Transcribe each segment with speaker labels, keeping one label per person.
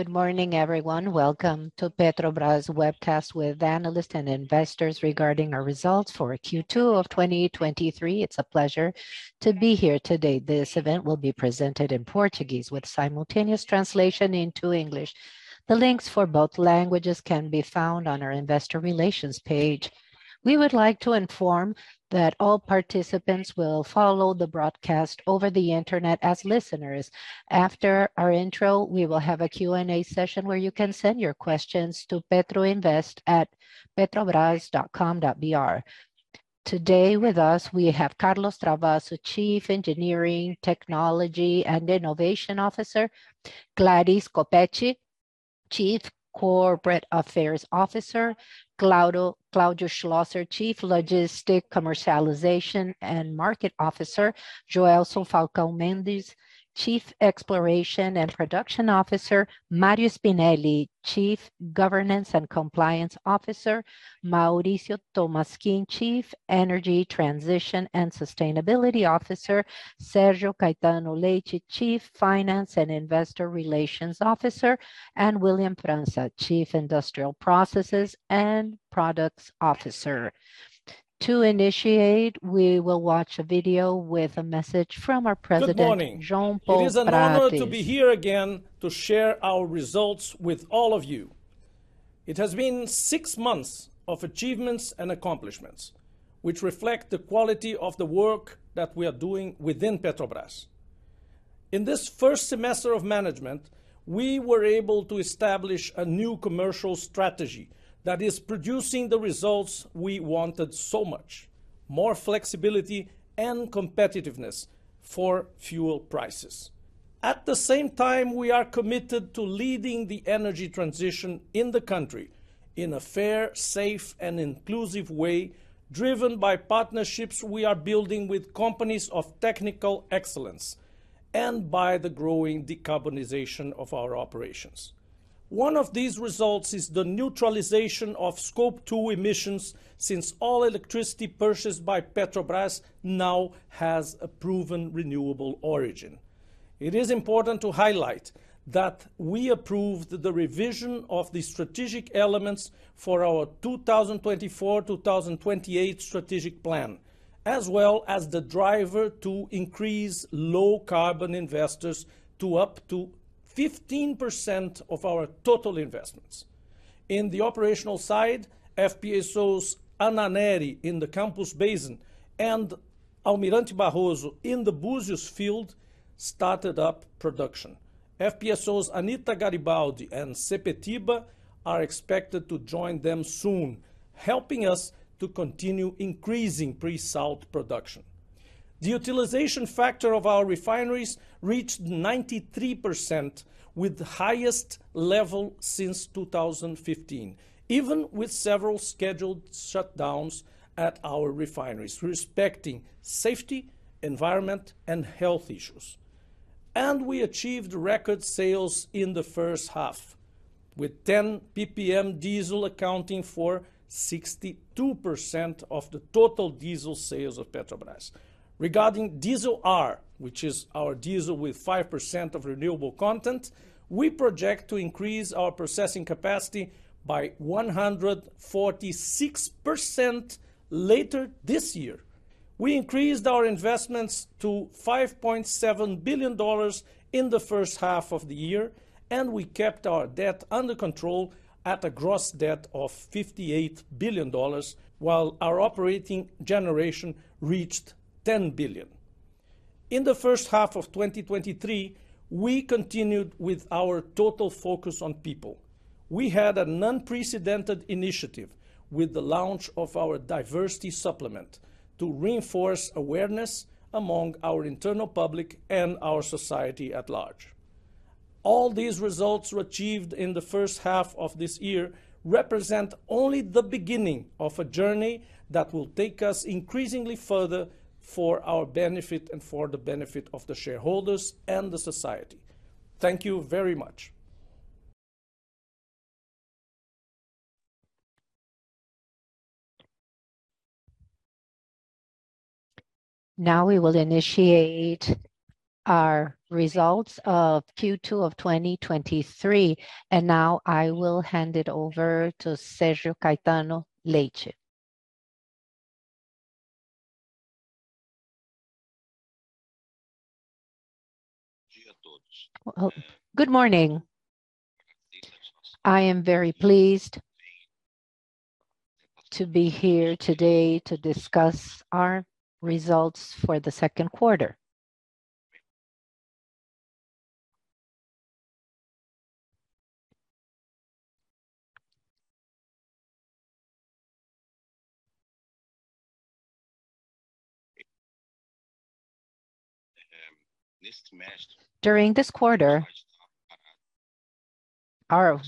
Speaker 1: Good morning, everyone. Welcome to Petrobras webcast with analysts and investors regarding our results for Q2 2023. It's a pleasure to be here today. This event will be presented in Portuguese with simultaneous translation into English. The links for both languages can be found on our investor relations page. We would like to inform that all participants will follow the broadcast over the internet as listeners. After our intro, we will have a Q&A session where you can send your questions to petroinvest@petrobras.com.br. Today, with us, we have Carlos Travassos, Chief Engineering, Technology, and Innovation Officer; Clarice Coppetti, Chief Corporate Affairs Officer; Claudio Schlosser, Chief Logistics, Commercialization, and Markets Officer; Joelson Falcão Mendes, Chief Exploration and Production Officer; Mário Spinelli, Chief Governance and Compliance Officer; Mauricio Tolmasquim, Chief Energy Transition and Sustainability Officer; Sérgio Caetano Leite, Chief Financial and Investor Relations Officer; and William França, Chief Industrial Processes and Products Officer. To initiate, we will watch a video with a message from our President-
Speaker 2: Good morning.
Speaker 1: Jean Paul Prates.
Speaker 2: It is an honor to be here again to share our results with all of you. It has been six months of achievements and accomplishments, which reflect the quality of the work that we are doing within Petrobras. In this first semester of management, we were able to establish a new commercial strategy that is producing the results we wanted so much: more flexibility and competitiveness for fuel prices. At the same time, we are committed to leading the energy transition in the country in a fair, safe, and inclusive way, driven by partnerships we are building with companies of technical excellence, and by the growing decarbonization of our operations. One of these results is the neutralization of Scope 2 emissions, since all electricity purchased by Petrobras now has a proven renewable origin. It is important to highlight that we approved the revision of the strategic elements for our 2024-2028 Strategic Plan, as well as the driver to increase low-carbon investors to up to 15% of our total investments. In the operational side, FPSOs Anna Nery in the Campos Basin, and Almirante Barroso in the Búzios field, started up production. FPSOs Anita Garibaldi and Sepetiba are expected to join them soon, helping us to continue increasing pre-salt production. The utilization factor of our refineries reached 93%, with the highest level since 2015, even with several scheduled shutdowns at our refineries, respecting safety, environment, and health issues. We achieved record sales in the H1, with 10 ppm diesel accounting for 62% of the total diesel sales of Petrobras. Regarding Diesel R, which is our diesel with 5% of renewable content, we project to increase our processing capacity by 146% later this year. We increased our investments to $5.7 billion in the H1 of the year, and we kept our debt under control at a gross debt of $58 billion, while our operating generation reached $10 billion. In the H1 of 2023, we continued with our total focus on people. We had an unprecedented initiative with the launch of our diversity supplement to reinforce awareness among our internal public and our society at large. All these results were achieved in the H1 of this year, represent only the beginning of a journey that will take us increasingly further for our benefit, and for the benefit of the shareholders and the society. Thank you very much.
Speaker 1: Now, we will initiate our results of Q2 2023. Now I will hand it over to Sérgio Caetano Leite.
Speaker 3: Good morning. I am very pleased to be here today to discuss our results for the Q2. During this quarter, our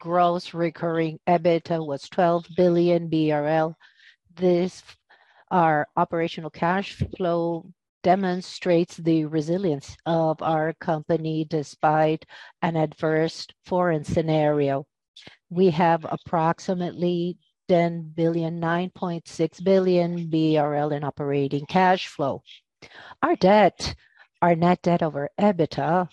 Speaker 3: gross recurring EBITDA was 12 billion BRL. Our operational cash flow demonstrates the resilience of our company despite an adverse foreign scenario. We have approximately 9.6 billion BRL in operating cash flow. Our debt, our net debt over EBITDA,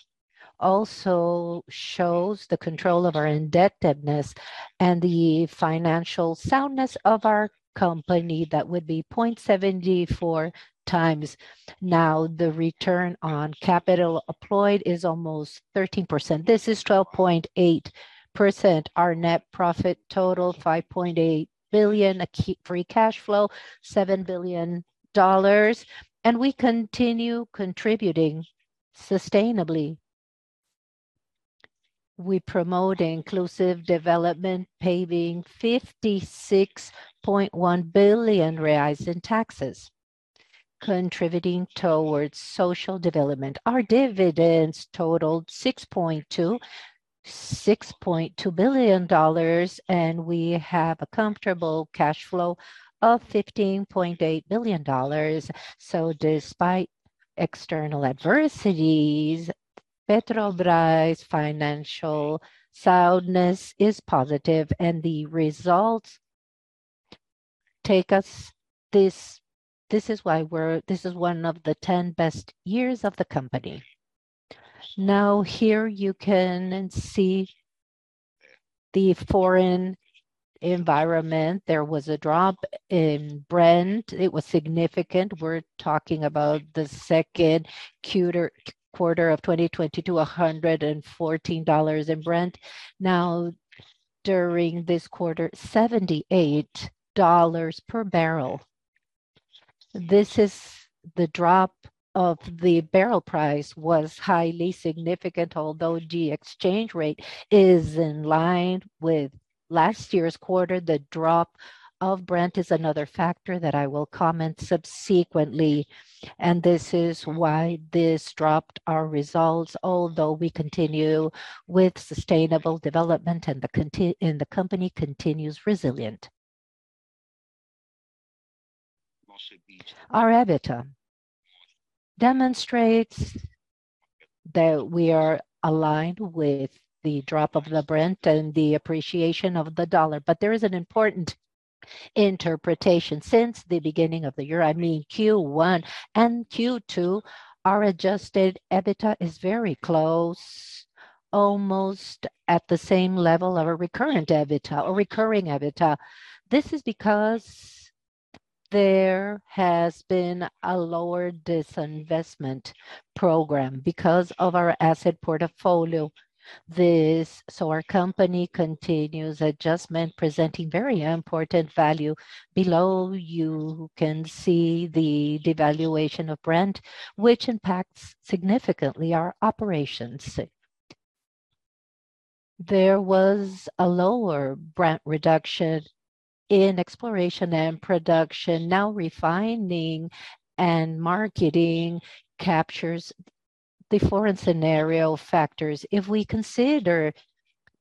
Speaker 3: also shows the control of our indebtedness and the financial soundness of our company. That would be 0.74x. Now, the return on capital employed is almost 13%. This is 12.8%. Our net profit total, 5.8 billion. Free cash flow, $7 billion, we continue contributing sustainably. We promote inclusive development, paying 56.1 billion reais in taxes, contributing towards social development. Our dividends totaled $6.2, $6.2 billion, we have a comfortable cash flow of $15.8 billion. Despite external adversities, Petrobras' financial soundness is positive, and the results take us this is why we're... This is one of the 10 best years of the company. Here you can see the foreign environment. There was a drop in Brent. It was significant. We're talking about the Q2 2020 to $114 in Brent. During this quarter, $78 per barrel. This is the drop of the barrel price was highly significant, although the exchange rate is in line with last year's quarter. The drop of Brent is another factor that I will comment subsequently. This is why this dropped our results, although we continue with sustainable development. The company continues resilient. Our EBITDA demonstrates that we are aligned with the drop of the Brent and the appreciation of the dollar. There is an important interpretation. Since the beginning of the year, I mean, Q1 and Q2, our adjusted EBITDA is very close, almost at the same level of a recurrent EBITDA or recurring EBITDA. This is because there has been a lower disinvestment program because of our asset portfolio. This. Our company continues adjustment, presenting very important value. Below, you can see the devaluation of Brent, which impacts significantly our operations. There was a lower Brent Exploration and Production segment while the Refining and Marketing segment captures the foreign scenario factors. If we consider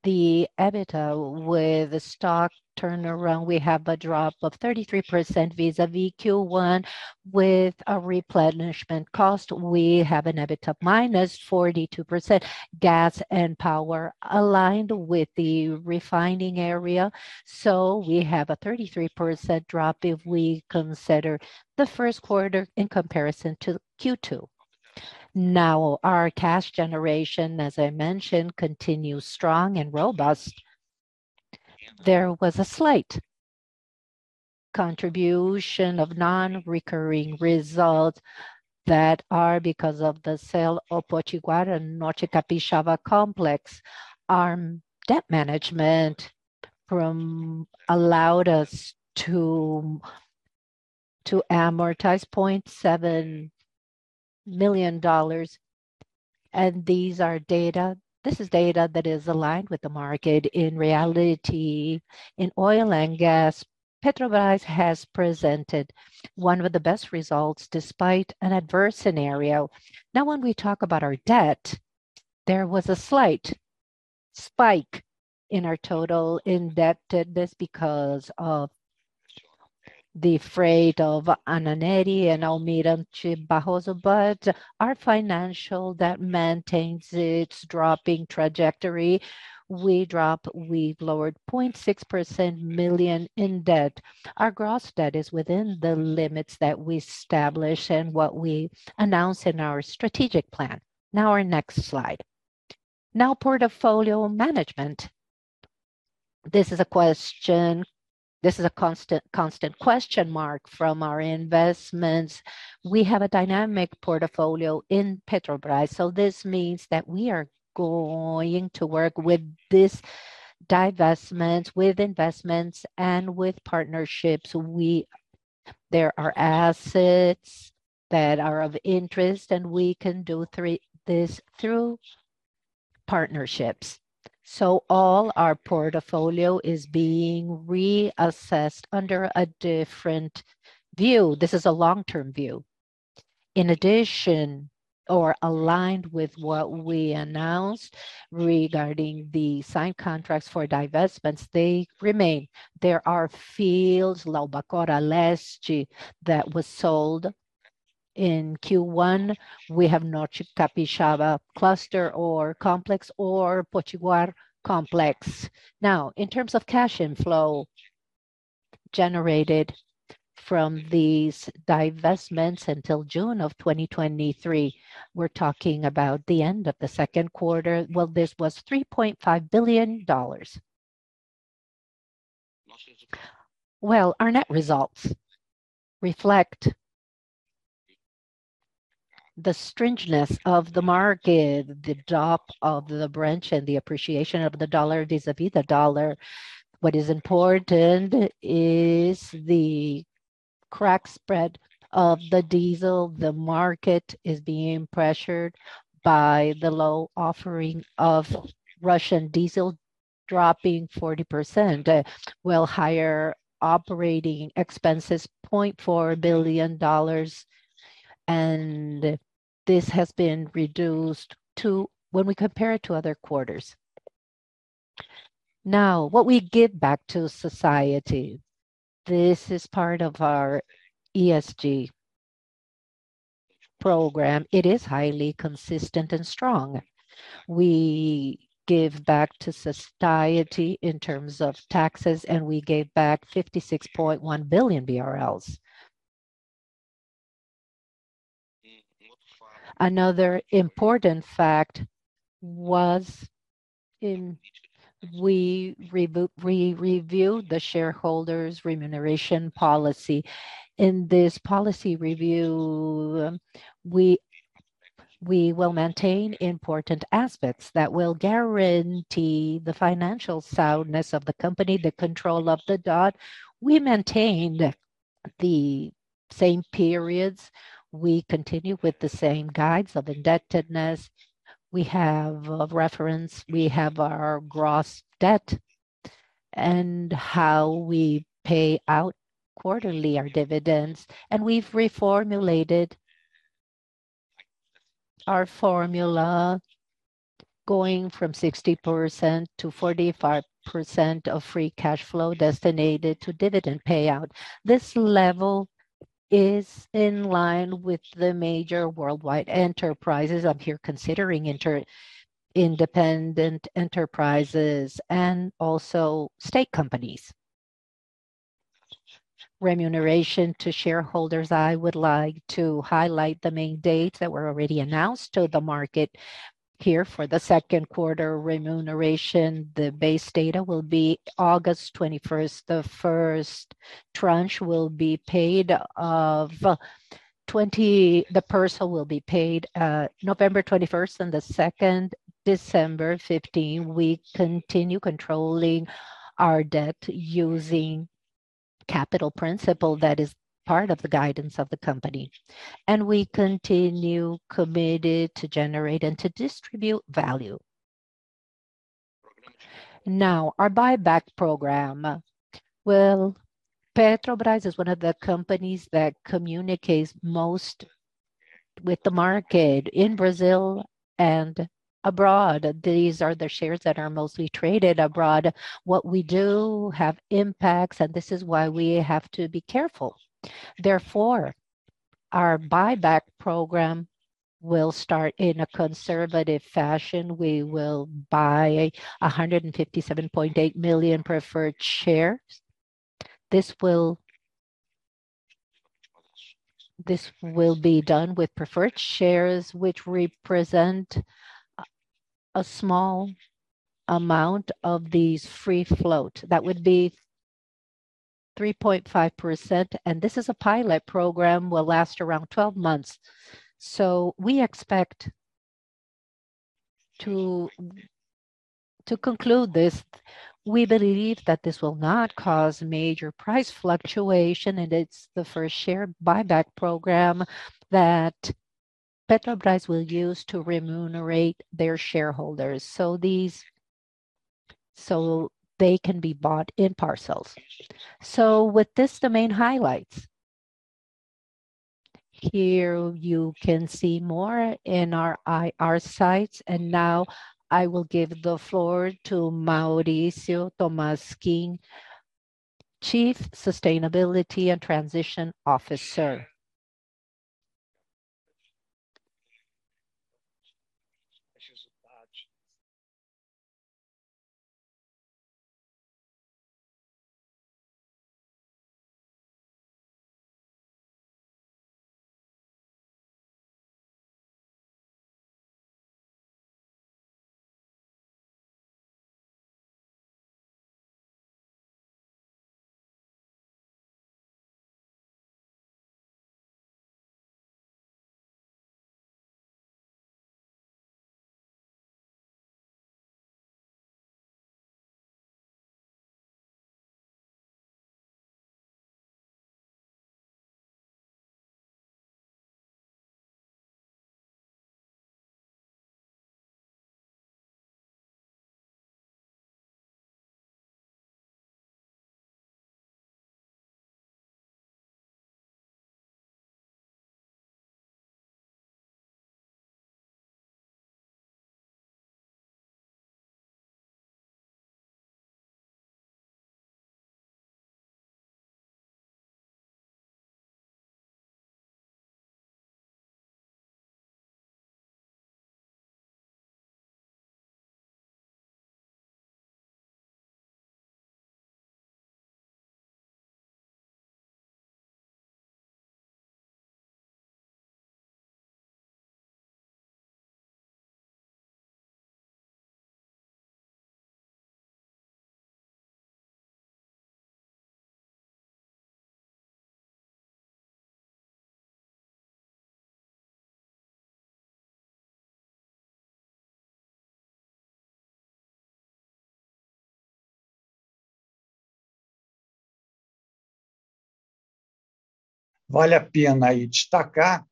Speaker 3: the EBITDA with the stock turnaround, we have a drop of 33% decline compared with the Q1. With a replenishment cost, we have an EBITDA declined 42%. Gas and Power segment aligned with the refining area, so we have a 33% drop if we consider the Q1 in comparison to Q2. Now, our cash generation, as I mentioned, continues strong and robust. There was a slight contribution of non-recurring results that are because of the sale of Potiguar Complex and the Norte Capixaba Complex. Our debt management from allowed us to, to amortize $0.7 million, and these are data... This is data that is aligned with the market. In reality, in oil and gas, Petrobras has presented one of the best results, despite an adverse scenario. When we talk about our debt, there was a slight spike in our total indebtedness because of the freight of Ananindeua and Almirante Tamandaré, but our financial, that maintains its dropping trajectory. We've lowered 0.6 billion in debt. Our gross debt is within the limits that we establish and what we announced in our Strategic Plan. Our next slide. Portfolio Management. This is a constant, constant question mark from our investments. We have a dynamic portfolio in Petrobras, so this means that we are going to work with this divestment, with investments, and with partnerships. There are assets that are of interest, and we can do through partnerships. All our portfolio is being reassessed under a different view. This is a long-term view. In addition-... or aligned with what we announced regarding the signed contracts for divestments, they remain. There are fields, Albacora Leste Field, that was sold in Q1. We have Norte Capixaba Cluster or Complex or Potiguar Complex. Now, in terms of cash inflow generated from these divestments until June 2023, we're talking about the end of the Q2. Well, this was $3.5 billion. Well, our net results reflect the stringiness of the market, the drop of the Brent, and the appreciation of the dollar. What is important is the crack spread of the diesel. The market is being pressured by the low offering of Russian diesel, dropping 40%, well, higher operating expenses, $0.4 billion, and this has been reduced to when we compare it to other quarters. What we give back to society, this is part of our ESG program. It is highly consistent and strong. We give back to society in terms of taxes, we gave back 56.1 billion BRL. Another important fact was, we reviewed the shareholders' remuneration policy. In this policy review, we will maintain important aspects that will guarantee the financial soundness of the company, the control of the DOT. We maintained the same periods. We continue with the same guides of indebtedness. We have a reference, we have our gross debt and how we pay out quarterly our dividends, we've reformulated our formula going from 60% to 45% of free cash flow designated to dividend payout. This level is in line with the major worldwide enterprises up here, considering independent enterprises and also state companies. Remuneration to shareholders, I would like to highlight the main dates that were already announced to the market. Here, for the Q2 remuneration, the base data will be August 21. The first installment will be paid on November 21 and the second installment on December 15. We continue controlling our debt using capital principle that is part of the guidance of the company, and we continue committed to generate and to distribute value. Now, our buyback program. Well, Petrobras is one of the companies that communicates most with the market in Brazil and abroad. These are the shares that are mostly traded abroad. What we do have impacts, and this is why we have to be careful. Therefore, our buyback program will start in a conservative fashion. We will buy 157.8 million preferred shares. This will be done with preferred shares, which represent a small amount of these free float. That would be 3.5%, this is a pilot program, will last around 12 months. We expect to conclude this, we believe that this will not cause major price fluctuation, it's the first share buyback program that Petrobras will use to remunerate their shareholders. They can be bought in parcels. With this, the main highlights. Here, you can see more in our IR sites, now I will give the floor to Mauricio Tolmasquim, Chief Sustainability and Transition Officer.
Speaker 4: ...Vale a pena aí destacar,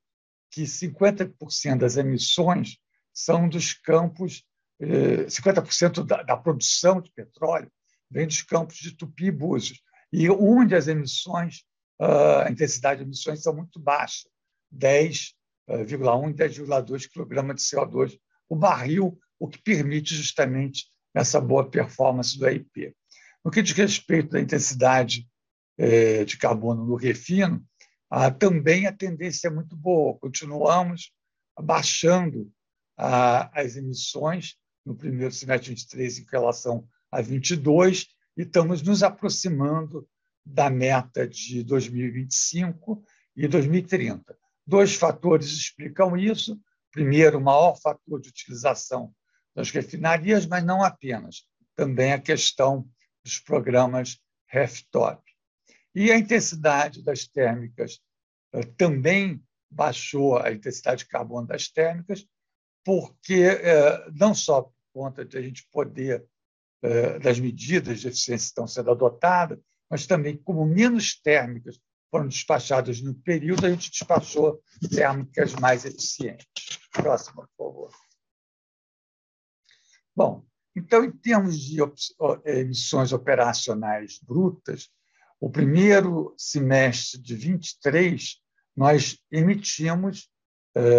Speaker 4: que 50% das emissões, são dos campos, 50% da, da produção de petróleo, vem dos campos de Tupi e Búzios, e onde as emissões, a intensidade de emissões são muito baixas: 10.1, 10.2 kg de CO₂ o barril, o que permite, justamente, essa boa performance do AIP. No que diz respeito à intensidade, de carbono no refino, também a tendência é muito boa. Continuamos abaixando a, as emissões no primeiro semestre de 2023, em relação a 2022, e estamos nos aproximando da meta de 2025 e 2030. Two factors explicam isso: primeiro, o maior fator de utilização das refinarias, mas não apenas, também a questão dos programas RefTOP. A intensidade das térmicas, também baixou a intensidade de carbono das térmicas, porque não só por conta da gente poder das medidas de eficiência que estão sendo adotadas, mas também como menos térmicas foram despachadas no período, a gente despachou térmicas mais eficientes. Próxima, por favor. Em termos de emissões operacionais brutas, o primeiro semestre de 23, nós emitimos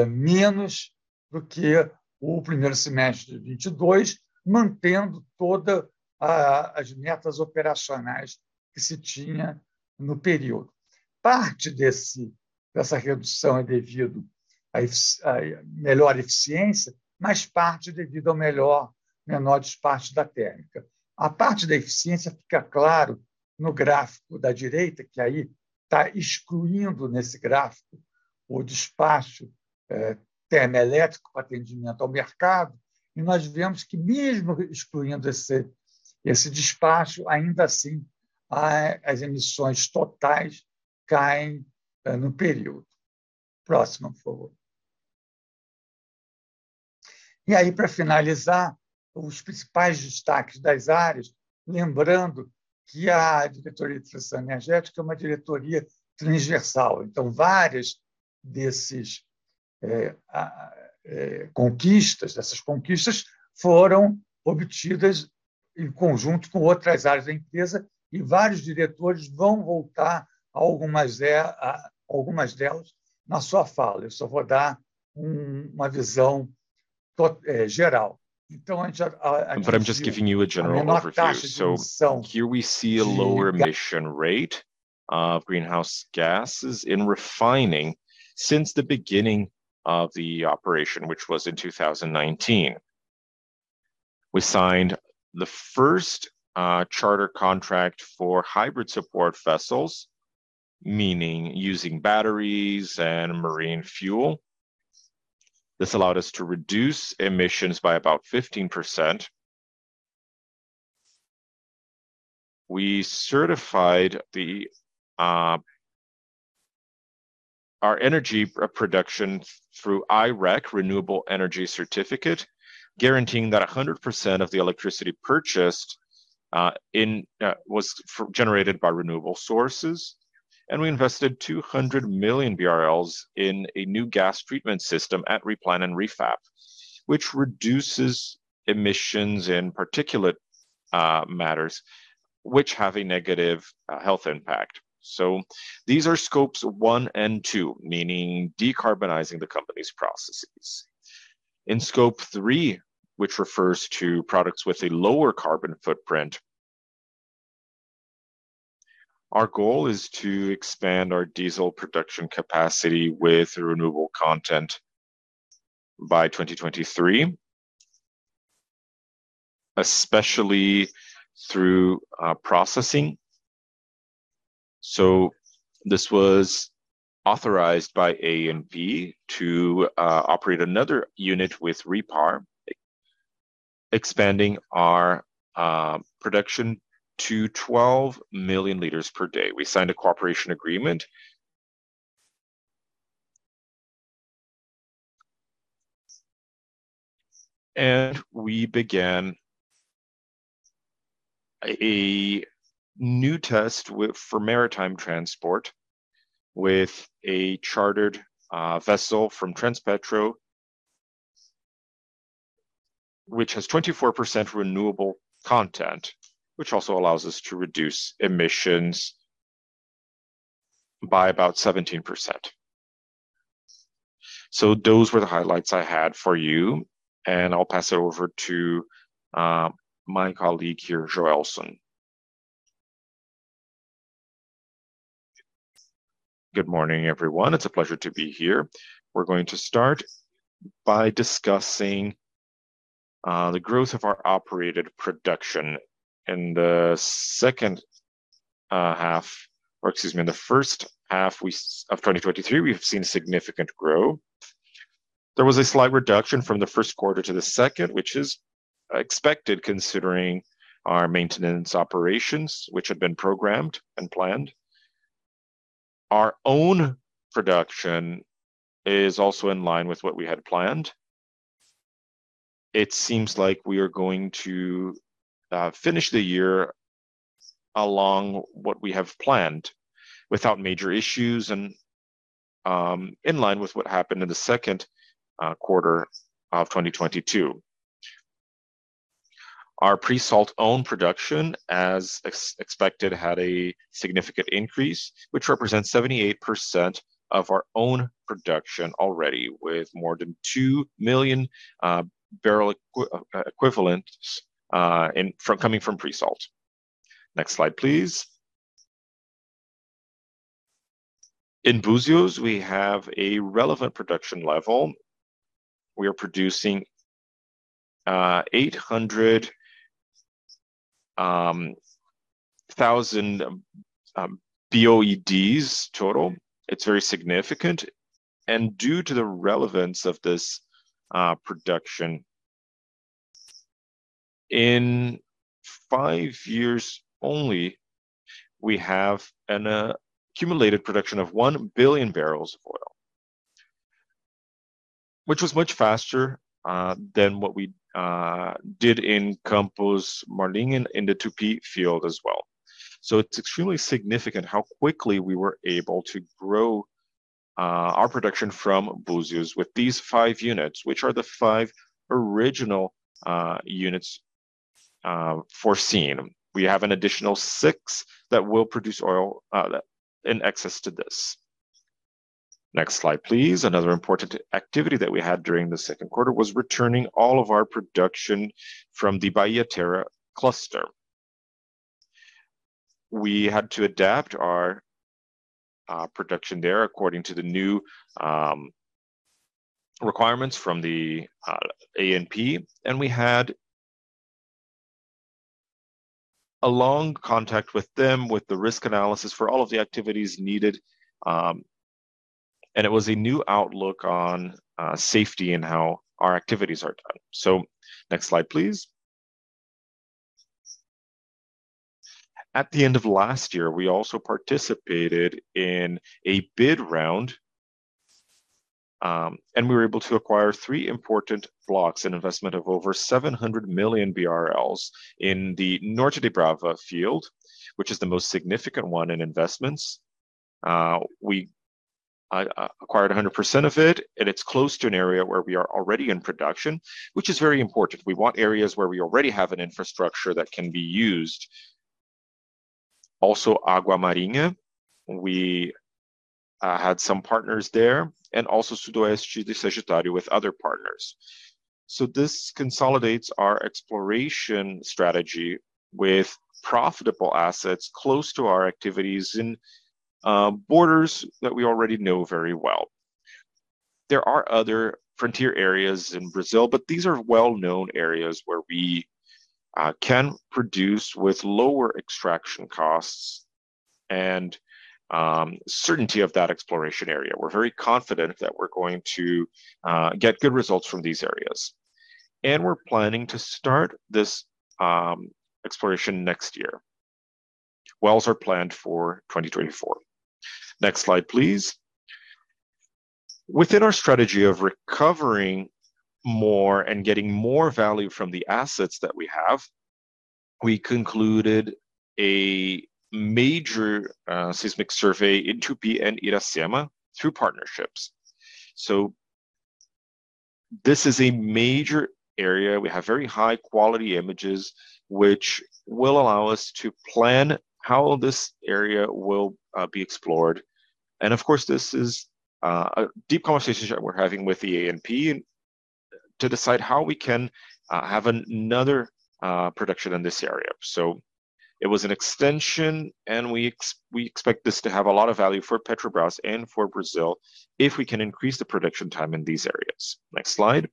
Speaker 4: menos do que o primeiro semestre de 22, mantendo toda a, as metas operacionais que se tinha no período. Parte desse, dessa redução é devido à melhor eficiência, mas parte devido ao melhor, menor despacho da térmica. A parte da eficiência, fica claro no gráfico da direita, que aí tá excluindo, nesse gráfico, o despacho termelétrico, pra atendimento ao mercado, e nós vemos que mesmo excluindo esse, esse despacho, ainda assim, a, as emissões totais caem no período. Próxima, por favor. Pra finalizar, os principais destaques das áreas, lembrando que a Diretoria de Eficiência Energética é uma diretoria transversal. Várias dessas conquistas foram obtidas em conjunto com outras áreas da empresa e vários diretores vão voltar a algumas delas, na sua fala, eu só vou dar um, uma visão geral. A gente. I'm just giving you a general overview. Here we see a lower emission rate of greenhouse gases in refining since the beginning of the operation, which was in 2019. We signed the first charter contract for hybrid support vessels, meaning using batteries and marine fuel. This allowed us to reduce emissions by about 15%. We certified our energy production through I-REC (International Renewable Energy Certificate), guaranteeing that 100% of the electricity purchased was generated by renewable sources. We invested 200 million BRL in a new gas treatment system at Replan and Refap, which reduces emissions in particulate matters, which have a negative health impact. These are Scope 1 and 2 emissions, meaning decarbonizing the company's processes.
Speaker 5: In Scope 3, which refers to products with a lower carbon footprint, our goal is to expand our diesel production capacity with renewable content by 2023, especially through processing. This was authorized by ANP to operate another unit with Repar, expanding our production to 12 million liters per day. We signed a cooperation agreement. We began a new test for maritime transport, with a chartered vessel from Transpetro, which has 24% renewable content, which also allows us to reduce emissions by about 17%. Those were the highlights I had for you, and I'll pass it over to my colleague here, Joelson.
Speaker 6: Good morning, everyone. It's a pleasure to be here. We're going to start by discussing the growth of our operated production in the Q2, or excuse me, in the H1 2023, we've seen significant growth. There was a slight reduction from the Q1 to the second, which is expected, considering our maintenance operations, which had been programmed and planned. Our own production is also in line with what we had planned. It seems like we are going to finish the year along what we have planned, without major issues and in line with what happened in the Q2 2022. Our pre-salt own production, as expected, had a significant increase, which represents 78% of our own production already, with more than 2 million barrel equivalents coming from pre-salt. Next slide, please. In Búzios, we have a relevant production level. We are producing 800,000 BOEDs total. It's very significant. Due to the relevance of this production, in five years only, we have an accumulated production of 1 billion barrels of oil, which was much faster than what we did in Campos Marlim fields and in the Tupi Field as well. It's extremely significant how quickly we were able to grow our production from Búzios with these five units, which are the five original units foreseen. We have an additional six that will produce oil in excess to this. Next slide, please. Another important activity that we had during the Q2 was returning all of our production from the Bahia Terra cluster. We had to adapt our production there according to the new requirements from the ANP. We had a long contact with them, with the risk analysis for all of the activities needed. It was a new outlook on safety and how our activities are done. Next slide, please. At the end of last year, we also participated in a bid round. We were able to acquire three important blocks, an investment of over 700 million BRL in the Norte de Brava Block, which is the most significant one in investments. We acquired 100% of it. It's close to an area where we are already in production, which is very important. We want areas where we already have an infrastructure that can be used. Agua Marinha Block, we had some partners there, and also Sudoeste de Sagitário Block with other partners. This consolidates our exploration strategy with profitable assets close to our activities in borders that we already know very well. There are other frontier areas in Brazil, but these are well-known areas where we can produce with lower extraction costs and certainty of that exploration area. We're very confident that we're going to get good results from these areas, and we're planning to start this exploration next year. Wells are planned for 2024. Next slide, please. Within our strategy of recovering more and getting more value from the assets that we have, we concluded a major seismic survey in Tupi and Iracema fields through partnerships. This is a major area. We have very high-quality images, which will allow us to plan how this area will be explored. Of course, this is a deep conversation that we're having with the ANP to decide how we can have another production in this area. It was an extension, and we expect this to have a lot of value for Petrobras and for Brazil, if we can increase the production time in these areas. Next slide.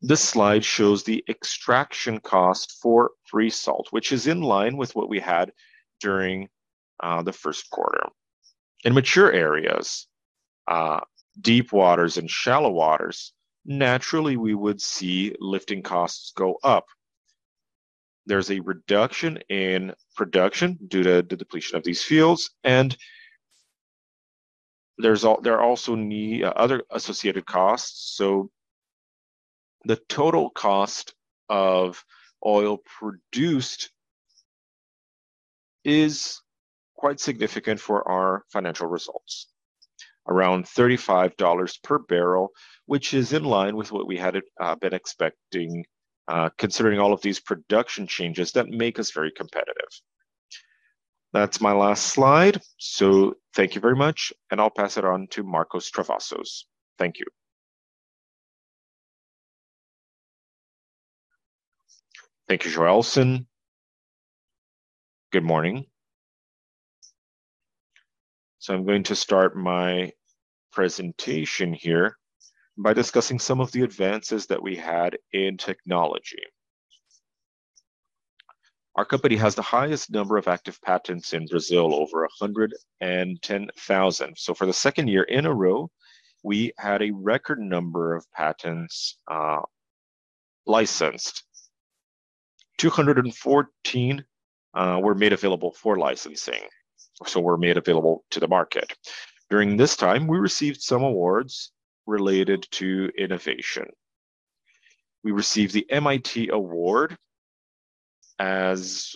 Speaker 6: This slide shows the extraction cost for pre-salt, which is in line with what we had during the 1st quarter. In mature areas, deep waters and shallow waters, naturally, we would see lifting costs go up. There's a reduction in production due to the depletion of these fields, and there are also other associated costs. The total cost of oil produced-... is quite significant for our financial results. Around $35 per barrel, which is in line with what we had been expecting, considering all of these production changes that make us very competitive. That's my last slide, so thank you very much, and I'll pass it on to Carlos Travassos. Thank you.
Speaker 7: Thank you, Joelson. Good morning. I'm going to start my presentation here by discussing some of the advances that we had in technology. Our company has the highest number of active patents in Brazil, over 110,000. For the second year in a row, we had a record number of patents licensed. 214 were made available for licensing, so were made available to the market. During this time, we received some awards related to innovation. We received the MIT Award as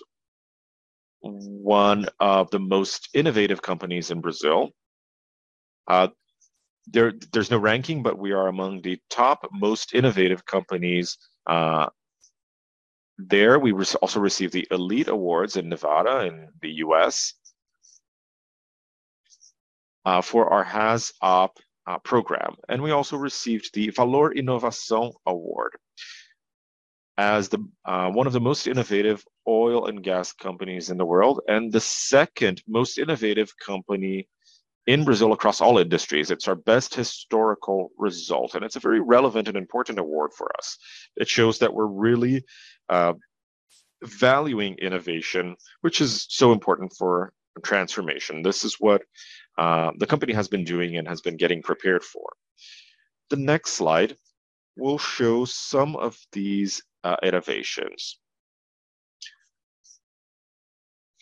Speaker 7: one of the most innovative companies in Brazil. There, there's no ranking, but we are among the top most innovative companies. There, we also received the Elite Awards in Nevada, in the U.S., for our HAZOP program, and we also received the Valor Inovação Award as the one of the most innovative oil and gas companies in the world, and the second most innovative company in Brazil across all industries. It's our best historical result, and it's a very relevant and important award for us. It shows that we're really valuing innovation, which is so important for transformation. This is what the company has been doing and has been getting prepared for. The next slide will show some of these innovations.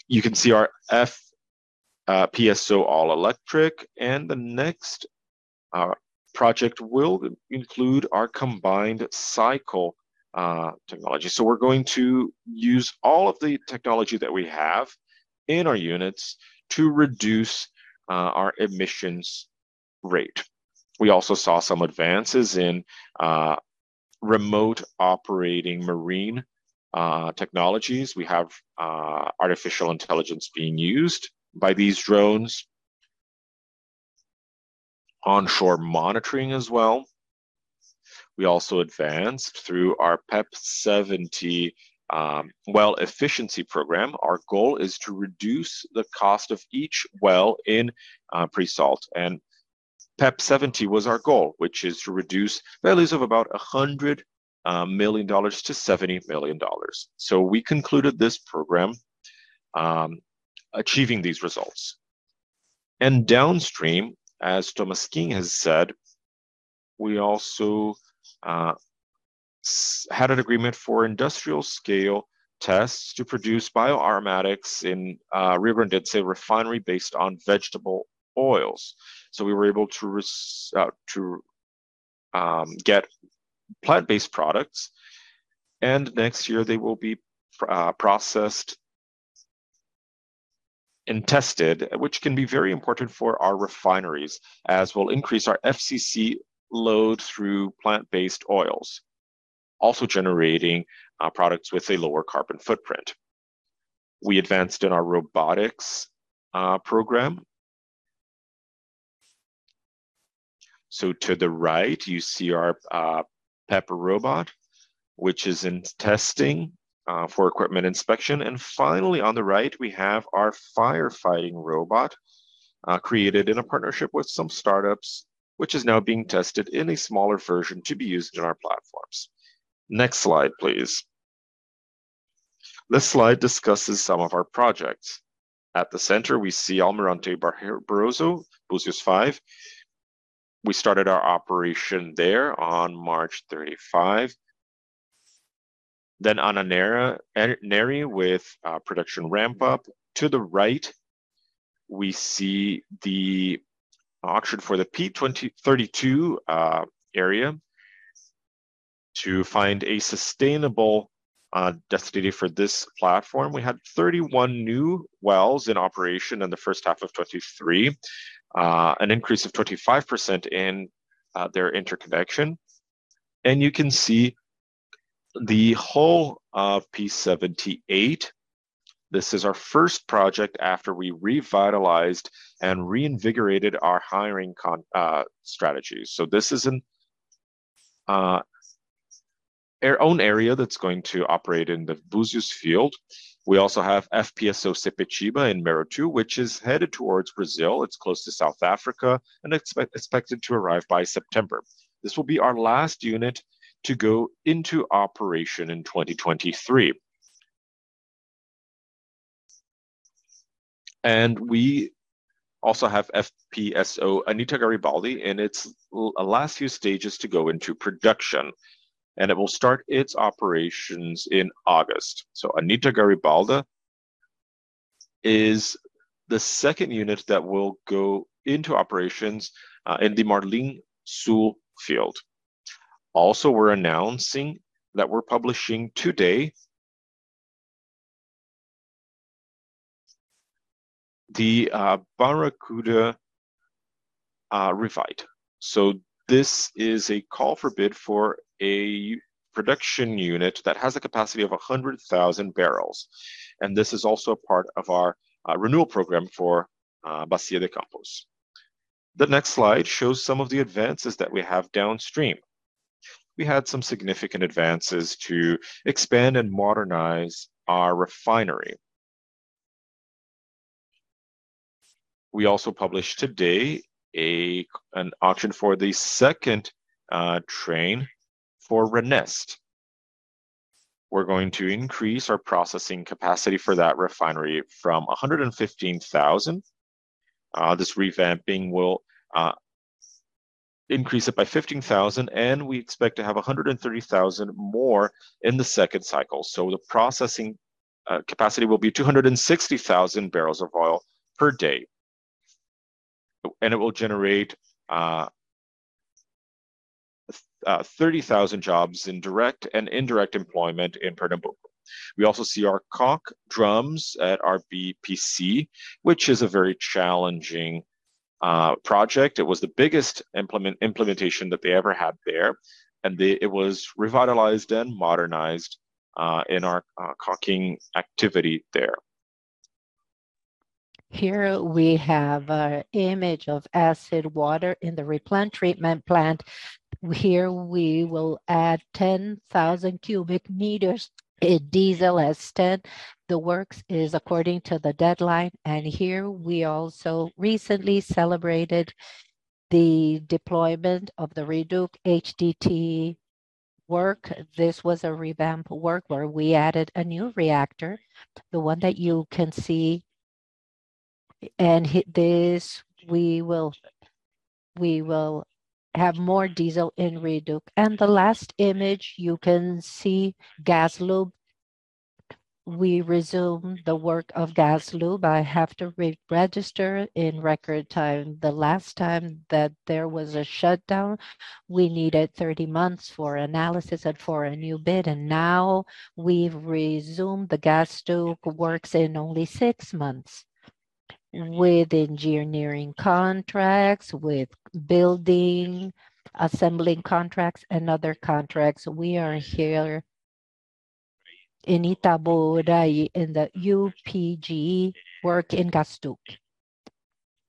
Speaker 7: You can see our all-electric FPSO concept. The next project will include our combined-cycle technology. We're going to use all of the technology that we have in our units to reduce our emissions rate. We also saw some advances in remote operating marine technologies. We have artificial intelligence-enable drones and enhance onshore monitoring systems. We also advanced through our PEP 70 Well Efficiency Program. Our goal is to reduce the cost of each well in pre-salt. PEP 70 was our goal, which is to reduce values of about $100 million to $70 million. We concluded this program, achieving these results. In the Downstream segment, as Mauricio Tolmasquim has said, we also had an agreement for industrial -scale testing to produce bioaromatics in Rio Grande Refinery based on vegetable oils. We were able to get plant-based products, and next year they will be processed and tested, which can be very important for our refineries, as we'll increase our FCC load through plant-based oils, also generating products with a lower carbon footprint. We advanced in our robotics program. To the right, you see our Pepper inspection robot, which is in testing for equipment inspection. Finally, on the right, we have our firefighting robot, created in a partnership with some startups, which is now being tested in a smaller version to be used in our platforms. Next slide, please. This slide discusses some of our projects. At the center, we see Almirante Barroso, Búzios 5. We started our operation there on March 31. Anna Nery, with a production ramp up. To the right, we see the auction for the P-32 platform to find a sustainable destiny for this platform. We had 31 new wells in operation in the H1 2023, an increase of 25% in their interconnection. You can see the whole of P-78 platform. This is our first project after we revitalized and reinvigorated our hiring strategy. This is in our own area that's going to operate in the Búzios field. We also have FPSO Sepetiba in Mero 2, which is headed towards Brazil. It's close to South Africa, and expected to arrive by September. This will be our last unit to go into operation in 2023. We also have FPSO Anita Garibaldi, and its last few stages to go into production, and it will start its operations in August. Anita Garibaldi is the second unit that will go into operations in the Marlim Sul field. Also, we're announcing that we're publishing today the Barracuda Revite. This is a call for bid for a production unit that has a capacity of 100,000 barrels, and this is also a part of our renewal program for Campos Basin renewal program. The next slide shows some of the advances that we have downstream. We had some significant advances to expand and modernize our refinery. We also published today an auction for the second train for RNEST Refinery. We're going to increase our processing capacity for that refinery from 115,000 barrels per day. This revamping will increase it by 15,000 barrels per day, and we expect to have 130,000 barrels per day more in the second cycle. The processing capacity will be 260,000 barrels of oil per day, and it will generate 30,000 jobs in direct and indirect employment in Pernambuco. We also see our coke drums at our RPBC Refinery, which is a very challenging project. It was the biggest implementation that they ever had there. It was revitalized and modernized in our coking activity there.
Speaker 3: Here we have a image of acid water in the Replan Refinery. Here, we will add 10,000 cubic meters in diesel instead. The works is according to the deadline. Here we also recently celebrated the deployment of the REDUC HDT work. This was a revamp work where we added a new reactor, the one that you can see, this we will, we will have more diesel in REDUC. The last image, you can see GasLub Project. We resumed the work of GasLub. I have to re-rister in record time. The last time that there was a shutdown, we needed 30 months for analysis and for a new bid, and now we've resumed the GasLub works in only six months. With engineering contracts, with building, assembling contracts, and other contracts, we are here in Itaboraí, in the UPGN work in GasLub.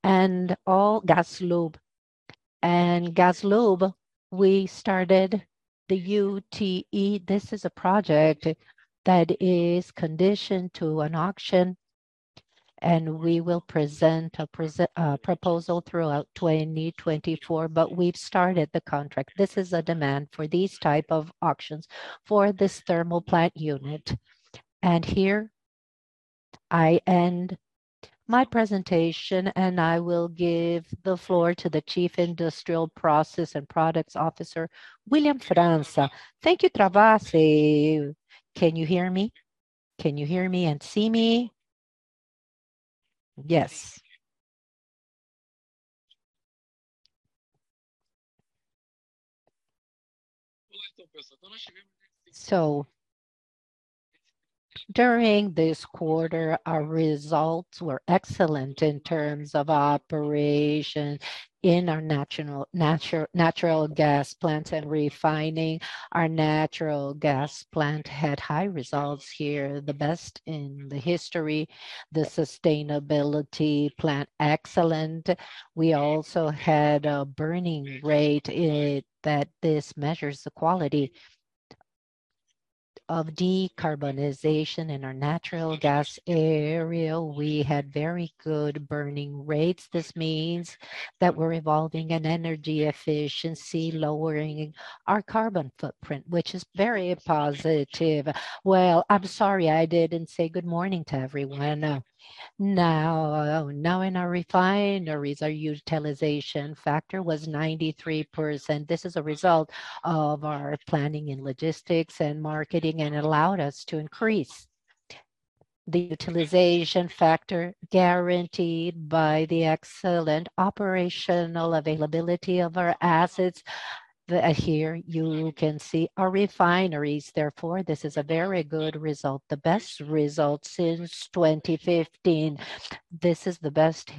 Speaker 3: All GasLub, we started the UTE. This is a project that is conditioned to an auction, and we will present a proposal throughout 2024, but we've started the contract. This is a demand for these type of auctions for this thermal plant unit. Here I end my presentation, and I will give the floor to the Chief Industrial Process and Products Officer, William França.
Speaker 8: Thank you, Travassos. Can you hear me? Can you hear me and see me?
Speaker 3: Yes.
Speaker 8: During this quarter, our results were excellent in terms of operation in our national, natural gas plants and refining. Our natural gas plant had high results here, the best in the history. The sustainability plant, excellent. We also had a burning rate that this measures the quality of decarbonization in our natural gas area. We had very good burning rates. This means that we're evolving in energy efficiency, lowering our carbon footprint, which is very positive. Well, I'm sorry, I didn't say good morning to everyone. Now, now in our refineries, our utilization factor was 93%. This is a result of our planning, and logistics, and marketing, and it allowed us to increase the utilization factor, guaranteed by the excellent operational availability of our assets. Here you can see our refineries, therefore, this is a very good result, the best result since 2015. This is the best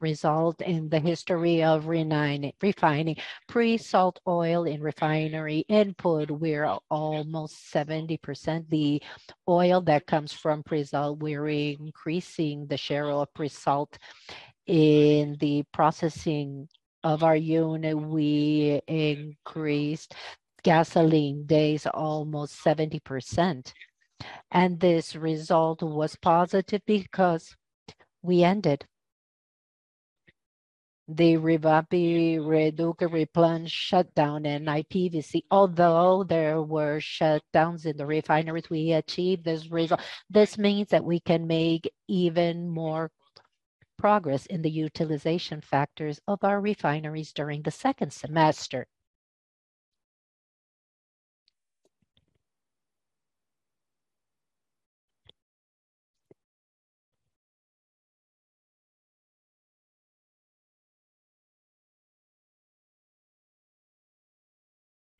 Speaker 8: result in the history of refining. Pre-salt oil in refinery input, we're almost 70%. The oil that comes from pre-salt, we're increasing the share of pre-salt. In the processing of our unit, we increased gasoline days, almost 70%, and this result was positive because we ended the revamping REDUC Replan shutdown in RPBC Refinery. Although there were shutdowns in the refineries, we achieved this result. This means that we can make even more progress in the utilization factors of our refineries during the second semester.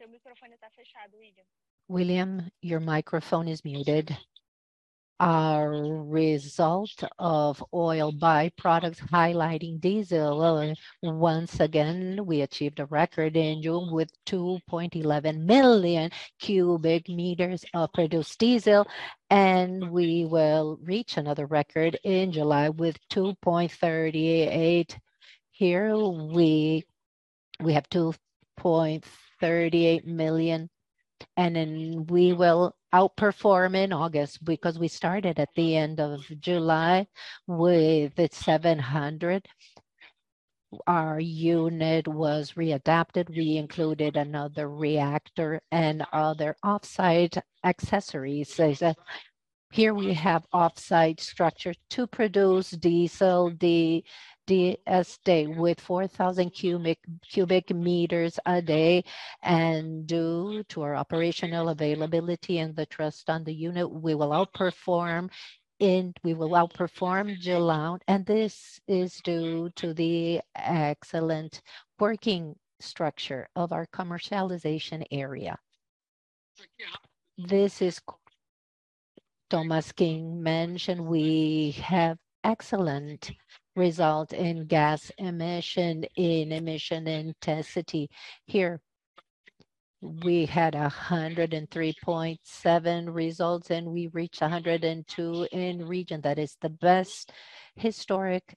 Speaker 3: Your microphone is closed, William. William, your microphone is muted.
Speaker 8: Our result of oil byproducts highlighting diesel, and once again, we achieved a record in June with 2.11 million cubic meters of produced diesel, and we will reach another record in July with 2.38. Here, we, we have 2.38 million, and then we will outperform in August, because we started at the end of July with 700. Our unit was readapted. We included another reactor and other offsite accessories. So here we have offsite structure to produce diesel, the DST, with 4,000 cubic meters a day. Due to our operational availability and the trust on the unit, we will outperform We will outperform July, and this is due to the excellent working structure of our commercialization area. This is Tolmasquim mentioned, we have excellent result in gas emission, in emission intensity. Here, we had 103.7 results, and we reached 102 in region. That is the best historic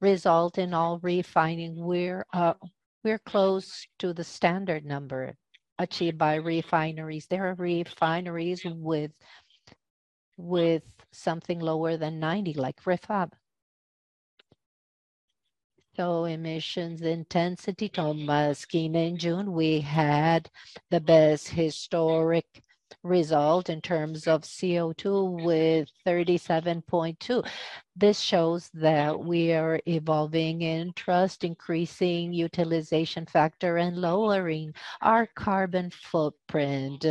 Speaker 8: result in all refining. We're, we're close to the standard number achieved by refineries. There are refineries with, with something lower than 90, like Refap Refinery. Emissions intensity, Tolmasquim, in June, we had the best historic result in terms of CO2, with 37.2. This shows that we are evolving in trust, increasing utilization factor, and lowering our carbon footprint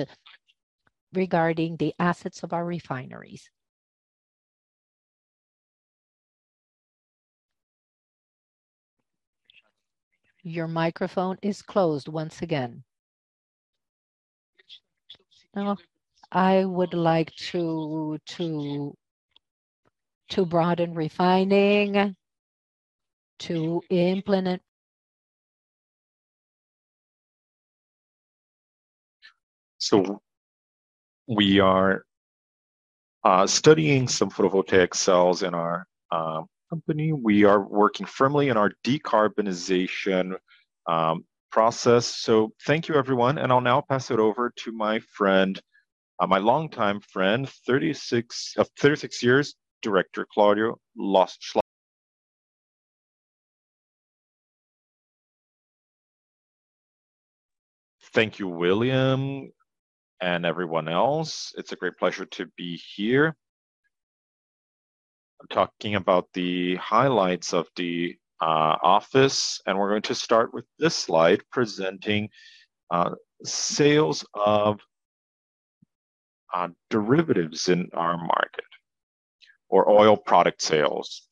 Speaker 8: regarding the assets of our refineries. Your microphone is closed once again. Now, I would like to broaden refining.
Speaker 4: We are studying some photovoltaic cells in our company. We are working firmly in our decarbonization process. Thank you, everyone, and I'll now pass it over to my friend, my longtime friend, 36, 36 years, Director Claudio Schlosser.
Speaker 5: Thank you, William, and everyone else. It's a great pleasure to be here. I'm talking about the highlights of the office. We're going to start with this slide, presenting sales of derivatives in our market or oil product sales,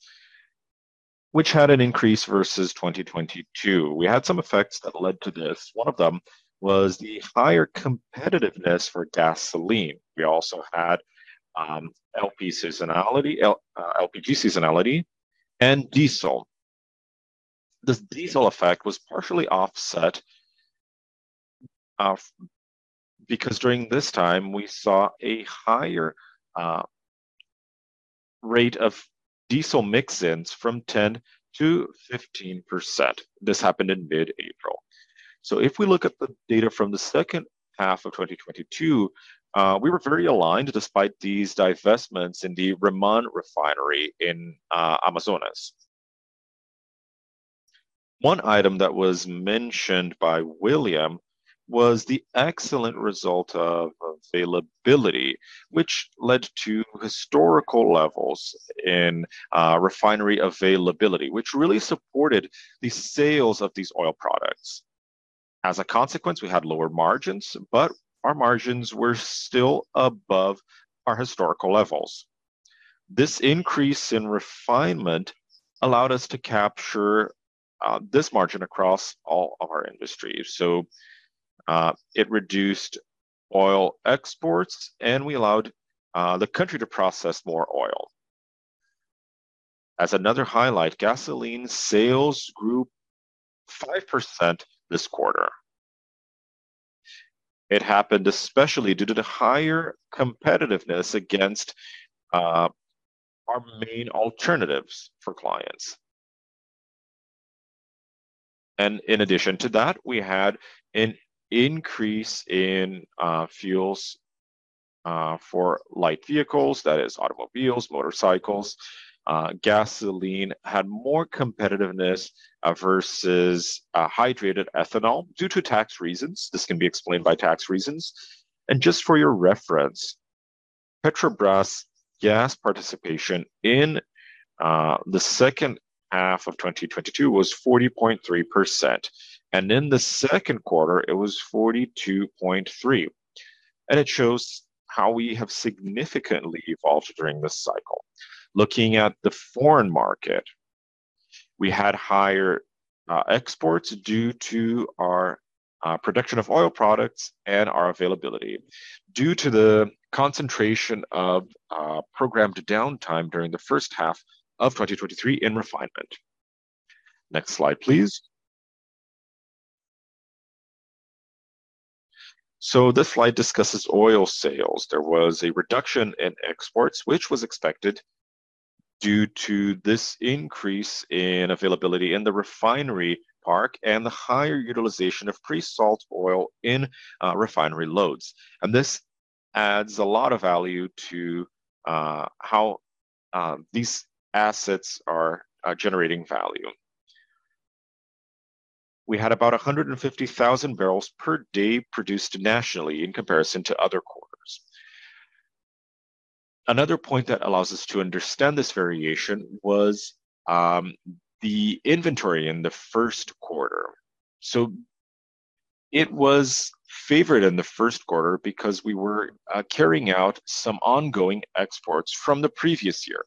Speaker 5: which had an increase versus 2022. We had some effects that led to this. One of them was the higher competitiveness for gasoline. We also had LP seasonality, LPG seasonality, and diesel. The diesel effect was partially offset because during this time, we saw a higher rate of diesel mix-ins from 10% to 15%. This happened in mid-April. If we look at the data from the Q2 2022, we were very aligned despite these divestments in the REMAN refinery in Amazonas. One item that was mentioned by William was the excellent result of availability, which led to historical levels in refinery availability, which really supported the sales of these oil products. As a consequence, we had lower margins, but our margins were still above our historical levels. This increase in refinement allowed us to capture this margin across all of our industry. It reduced oil exports, and we allowed the country to process more oil. As another highlight, gasoline sales grew 5% this quarter. It happened especially due to the higher competitiveness against our main alternatives for clients. In addition to that, we had an increase in fuels for light vehicles, that is automobiles, motorcycles. Gasoline had more competitiveness versus hydrated ethanol due to tax reasons. This can be explained by tax reasons. Just for your reference, Petrobras gas participation in the Q2 2022 was 40.3%, and in the Q2, it was 42.3. It shows how we have significantly evolved during this cycle. Looking at the foreign market. We had higher exports due to our production of oil products and our availability due to the concentration of programmed downtime during the H1 2023 in refinement. Next slide, please. This slide discusses oil sales. There was a reduction in exports, which was expected due to this increase in availability in the refinery park and the higher utilization of pre-salt oil in refinery loads. This adds a lot of value to how these assets are generating value. We had about 150,000 barrels per day produced nationally in comparison to other quarters. Another point that allows us to understand this variation was the inventory in the Q1. It was favored in the Q1 because we were carrying out some ongoing exports from the previous year,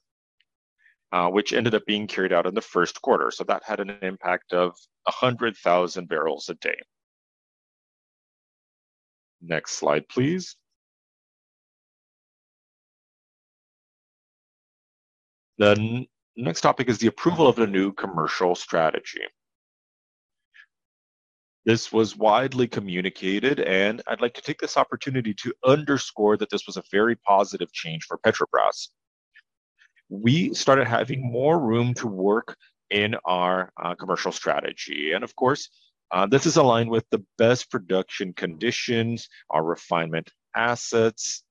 Speaker 5: which ended up being carried out in the Q1. That had an impact of 100,000 barrels a day. Next slide, please. The next topic is the approval of the new commercial strategy. This was widely communicated, and I'd like to take this opportunity to underscore that this was a very positive change for Petrobras. We started having more room to work in our commercial strategy. Of course, this is aligned with the best production conditions, our refinement assets,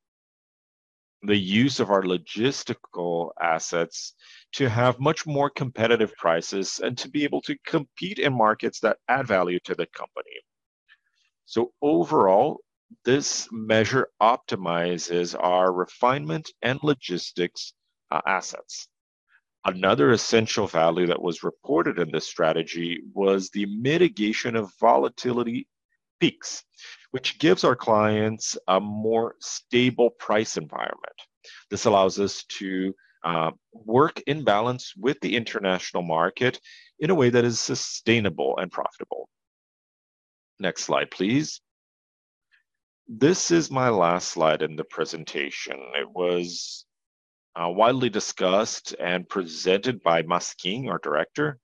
Speaker 5: the use of our logistical assets to have much more competitive prices and to be able to compete in markets that add value to the company. Overall, this measure optimizes our refinement and logistics assets. Another essential value that was reported in this strategy was the mitigation of volatility peaks, which gives our clients a more stable price environment. This allows us to work in balance with the international market in a way that is sustainable and profitable. Next slide, please. This is my last slide in the presentation. It was widely discussed and presented by Tolmasquim, our director,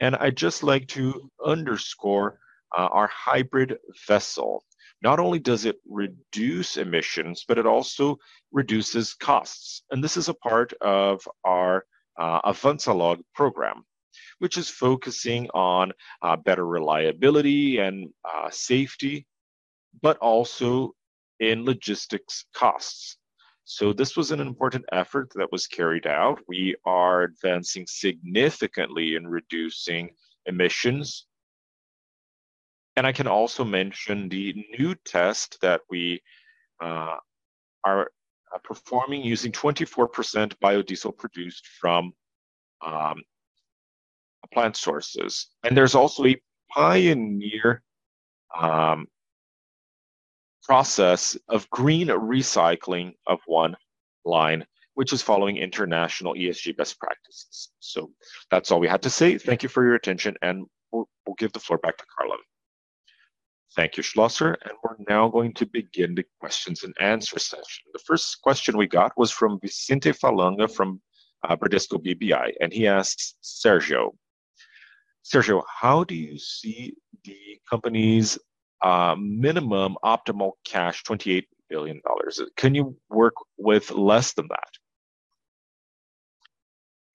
Speaker 5: and I'd just like to underscore our hybrid vessel. Not only does it reduce emissions, but it also reduces costs. This is a part of our AvançaLog program, which is focusing on better reliability and safety, but also in logistics costs. This was an important effort that was carried out. We are advancing significantly in reducing emissions, and I can also mention the new test that we are performing using 24% biodiesel produced from plant sources. There's also a pioneer process of green recycling of one line, which is following international ESG best practices. That's all we had to say. Thank you for your attention, and we'll give the floor back to Carla.
Speaker 1: Thank you, Schlosser, and we're now going to begin the questions and answer session. The first question we got was from Vicente Falanga, from Bradesco BBI, and he asks Sergio: Sergio, how do you see the company's minimum optimal cash, $28 billion? Can you work with less than that?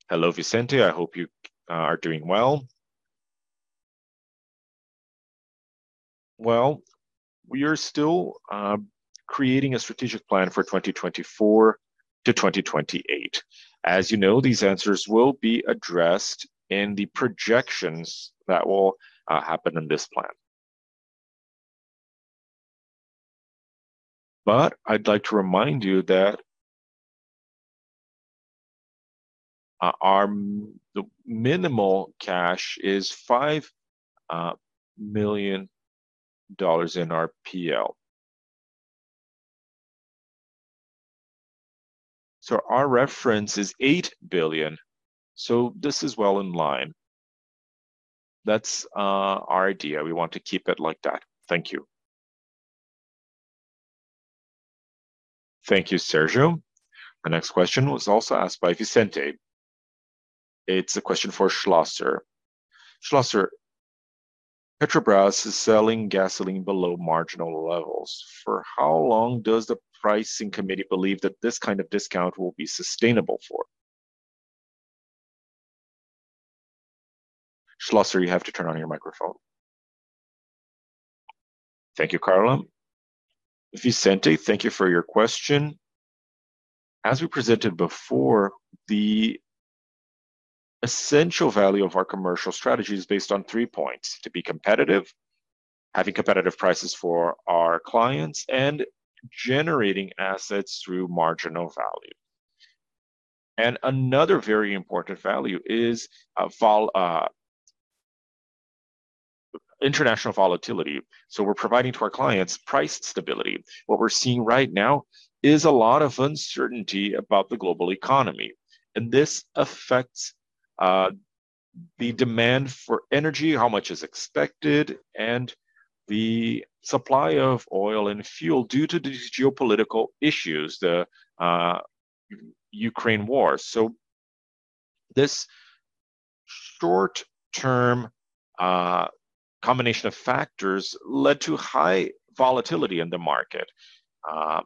Speaker 3: Hello, Vicente, I hope you are doing well. Well, we are still creating a strategic plan for 2024 to 2028. As you know, these answers will be addressed in the projections that will happen in this plan. I'd like to remind you that our, the minimal cash is $5 million in our PL. Our reference is $8 billion. This is well in line. That's our idea. We want to keep it like that. Thank you.
Speaker 1: Thank you, Sergio. The next question was also asked by Vicente. It's a question for Schlosser. Schlosser, Petrobras is selling gasoline below marginal levels. For how long does the pricing committee believe that this kind of discount will be sustainable for? Schlosser, you have to turn on your microphone.
Speaker 5: Thank you, Carlo. Vicente, thank you for your question. As we presented before, the essential value of our commercial strategy is based on three points: to be competitive, having competitive prices for our clients, and generating assets through marginal value. Another very important value is international volatility, so we're providing to our clients price stability. What we're seeing right now is a lot of uncertainty about the global economy, and this affects the demand for energy, how much is expected, and the supply of oil and fuel due to these geopolitical issues, the Ukraine war. This short-term combination of factors led to high volatility in the market.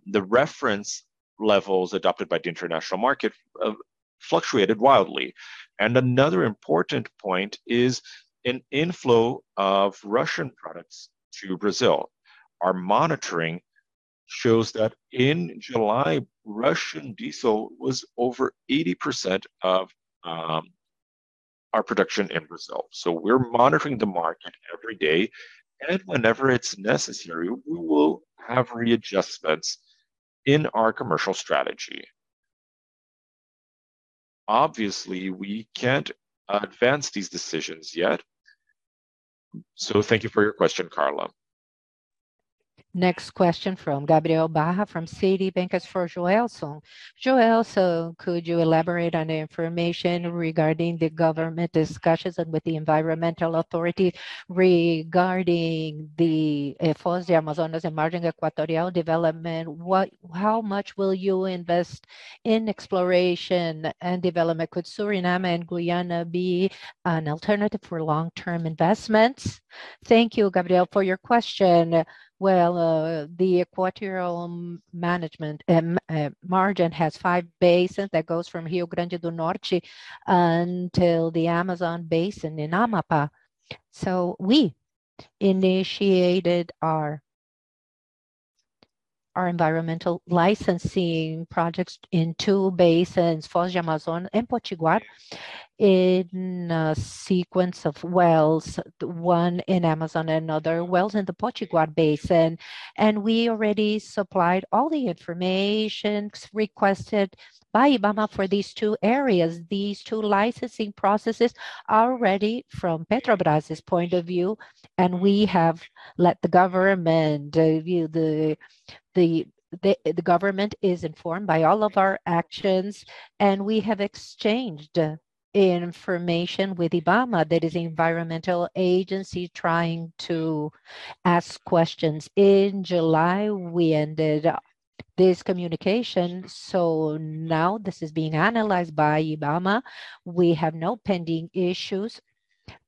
Speaker 5: The reference levels adopted by the international market fluctuated wildly. Another important point is an inflow of Russian products to Brazil. Our monitoring shows that in July, Russian diesel was over 80% of our production in Brazil. We're monitoring the market every day, and whenever it's necessary, we will have readjustments in our commercial strategy. Obviously, we can't advance these decisions yet. Thank you for your question, Carlo.
Speaker 1: Next question from Gabriel Baggio from Citi. As for Joelson: Joelson, could you elaborate on the information regarding the government discussions and with the environmental authority regarding the Foz do Amazonas and Margem Equatorial development? What- How much will you invest in exploration and development? Could Suriname and Guyana be an alternative for long-term investments?
Speaker 3: Thank you, Gabriel, for your question. Well, the Equatorial Management Margem has 5 basins that goes from Rio Grande do Norte until the Amazon basin in Amapá. So we initiated our, our environmental licensing projects in two basins, Foz do Amazonas and Potiguar, in a sequence of wells, one in Amazon and other wells in the Potiguar Basin. We already supplied all the informations requested by IBAMA for these two areas. These two licensing processes are ready from Petrobras' point of view. We have let the government view the government is informed by all of our actions. We have exchanged information with IBAMA, that is the environmental agency trying to ask questions. In July, we ended up this communication. Now this is being analyzed by IBAMA. We have no pending issues.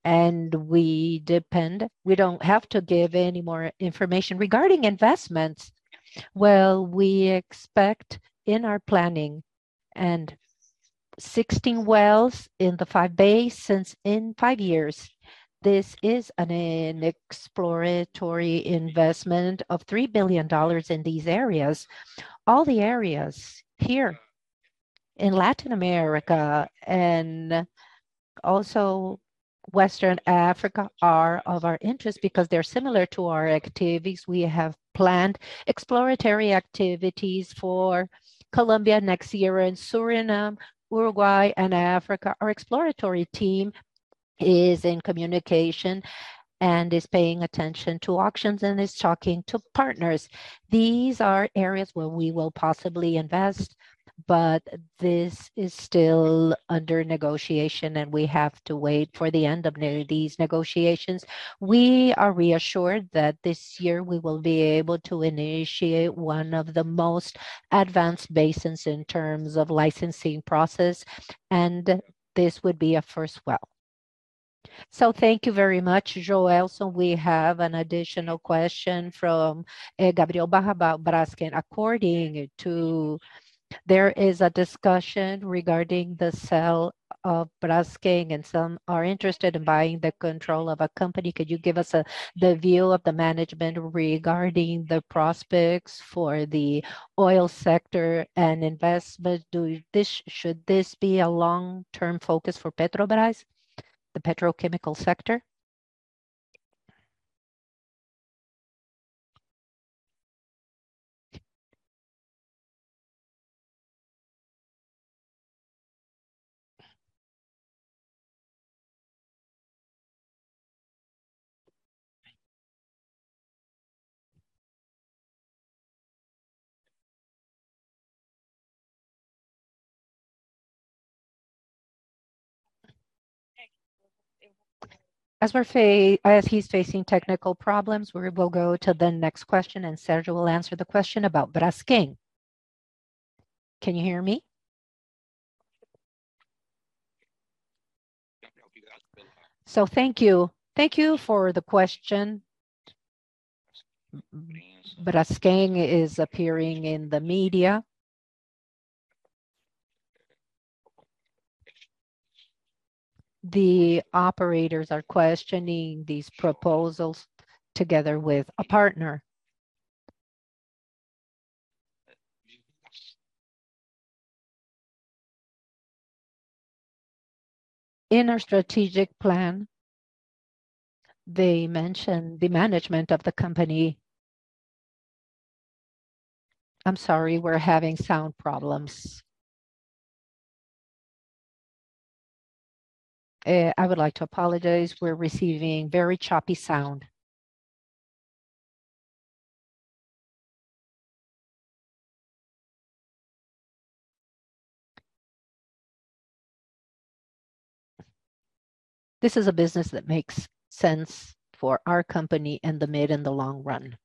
Speaker 3: We depend. We don't have to give any more information. Regarding investments, well, we expect in our planning and 16 wells in the five basins in five years. This is an exploratory investment of $3 billion in these areas. All the areas here in Latin America, and also Western Africa, are of our interest because they're similar to our activities. We have planned exploratory activities for Colombia, next year, in Suriname, Uruguay, and Africa. Our exploratory team is in communication and is paying attention to auctions and is talking to partners. These are areas where we will possibly invest, but this is still under negotiation, and we have to wait for the end of these negotiations. We are reassured that this year we will be able to initiate one of the most advanced basins in terms of licensing process, and this would be a first well. Thank you very much, Joelson. We have an additional question from Gabriel Baggio about Braskem. There is a discussion regarding the sale of Braskem, and some are interested in buying the control of a company. Could you give us the view of the management regarding the prospects for the oil sector and investment? Should this be a long-term focus for Petrobras, the petrochemical sector?
Speaker 1: As he's facing technical problems, we will go to the next question, and Sérgio will answer the question about Braskem. Can you hear me?
Speaker 4: Yeah, we hear you.
Speaker 3: Thank you. Thank you for the question. Braskem is appearing in the media. The operators are questioning these proposals together with a partner. In our strategic plan, they mentioned the management of the company-... I'm sorry, we're having sound problems. I would like to apologize. We're receiving very choppy sound. This is a business that makes sense for our company in the mid and the long run.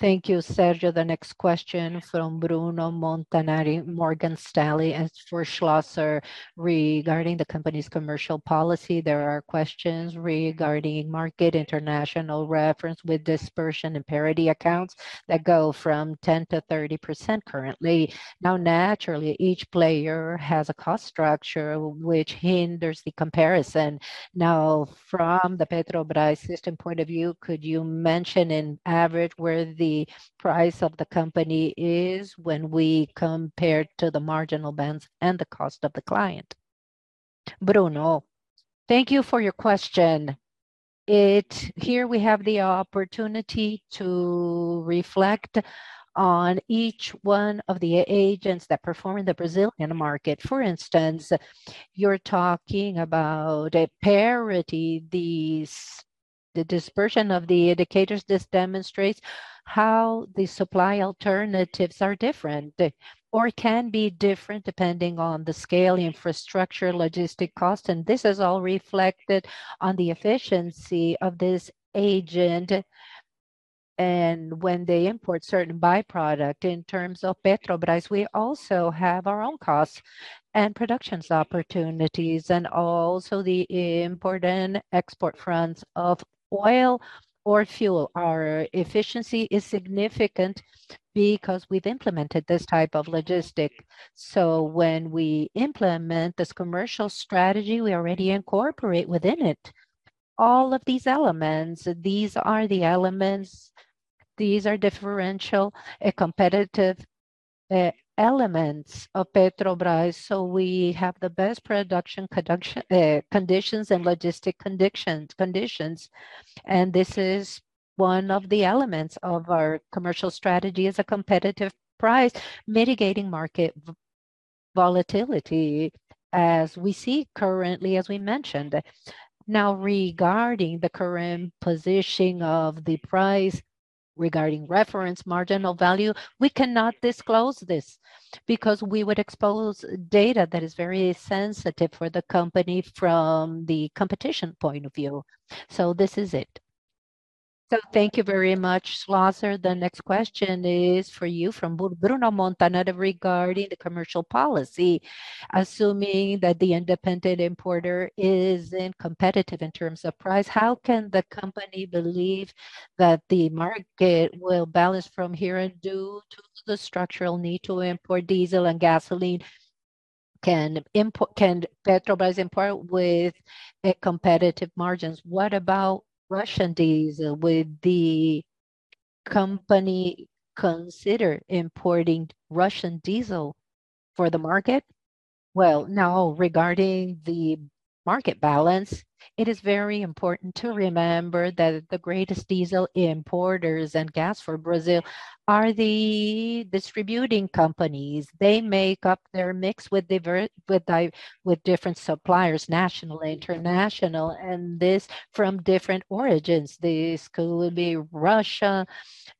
Speaker 3: Thank you, Sergio. The next question from Bruno Montanari, Morgan Stanley. For Schlosser, regarding the company's commercial policy, there are questions regarding market international reference with dispersion and parity accounts that go from 10% to 30% currently. Naturally, each player has a cost structure which hinders the comparison. Now, from the Petrobras system point of view, could you mention in average where the price of the company is when we compare to the marginal bands and the cost of the client? Bruno, thank you for your question. Here we have the opportunity to reflect on each one of the agents that perform in the Brazilian market. For instance, you're talking about a parity, these, the dispersion of the indicators. This demonstrates how the supply alternatives are different or can be different depending on the scale, infrastructure, logistic cost, and this is all reflected on the efficiency of this agent, and when they import certain byproducts. In terms of Petrobras, we also have our own costs and productions opportunities, and also the import and export fronts of oil or fuel. Our efficiency is significant because we've implemented this type of logistic. When we implement this commercial strategy, we already incorporate within it all of these elements. These are the elements, these are differential and competitive, elements of Petrobras. We have the best production, production, conditions and logistic conditions, conditions, and this is one of the elements of our commercial strategy, is a competitive price, mitigating market volatility, as we see currently, as we mentioned. Now, regarding the current positioning of the price, regarding reference marginal value, we cannot disclose this because we would expose data that is very sensitive for the company from the competition point of view. This is it. Thank you very much, Schlosser. The next question is for you from Bruno Montanari regarding the commercial policy. Assuming that the independent importer is competitive in terms of price, how can the company believe that the market will balance from here on due to the structural need to import diesel and gasoline? Can Petrobras import with competitive margins? What about Russian diesel? Would the company consider importing Russian diesel for the market? Well, now, regarding the market balance, it is very important to remember that the greatest diesel importers and gas for Brazil are the distributing companies. They make up their mix with different suppliers, national and international, and this from different origins. This could be Russia.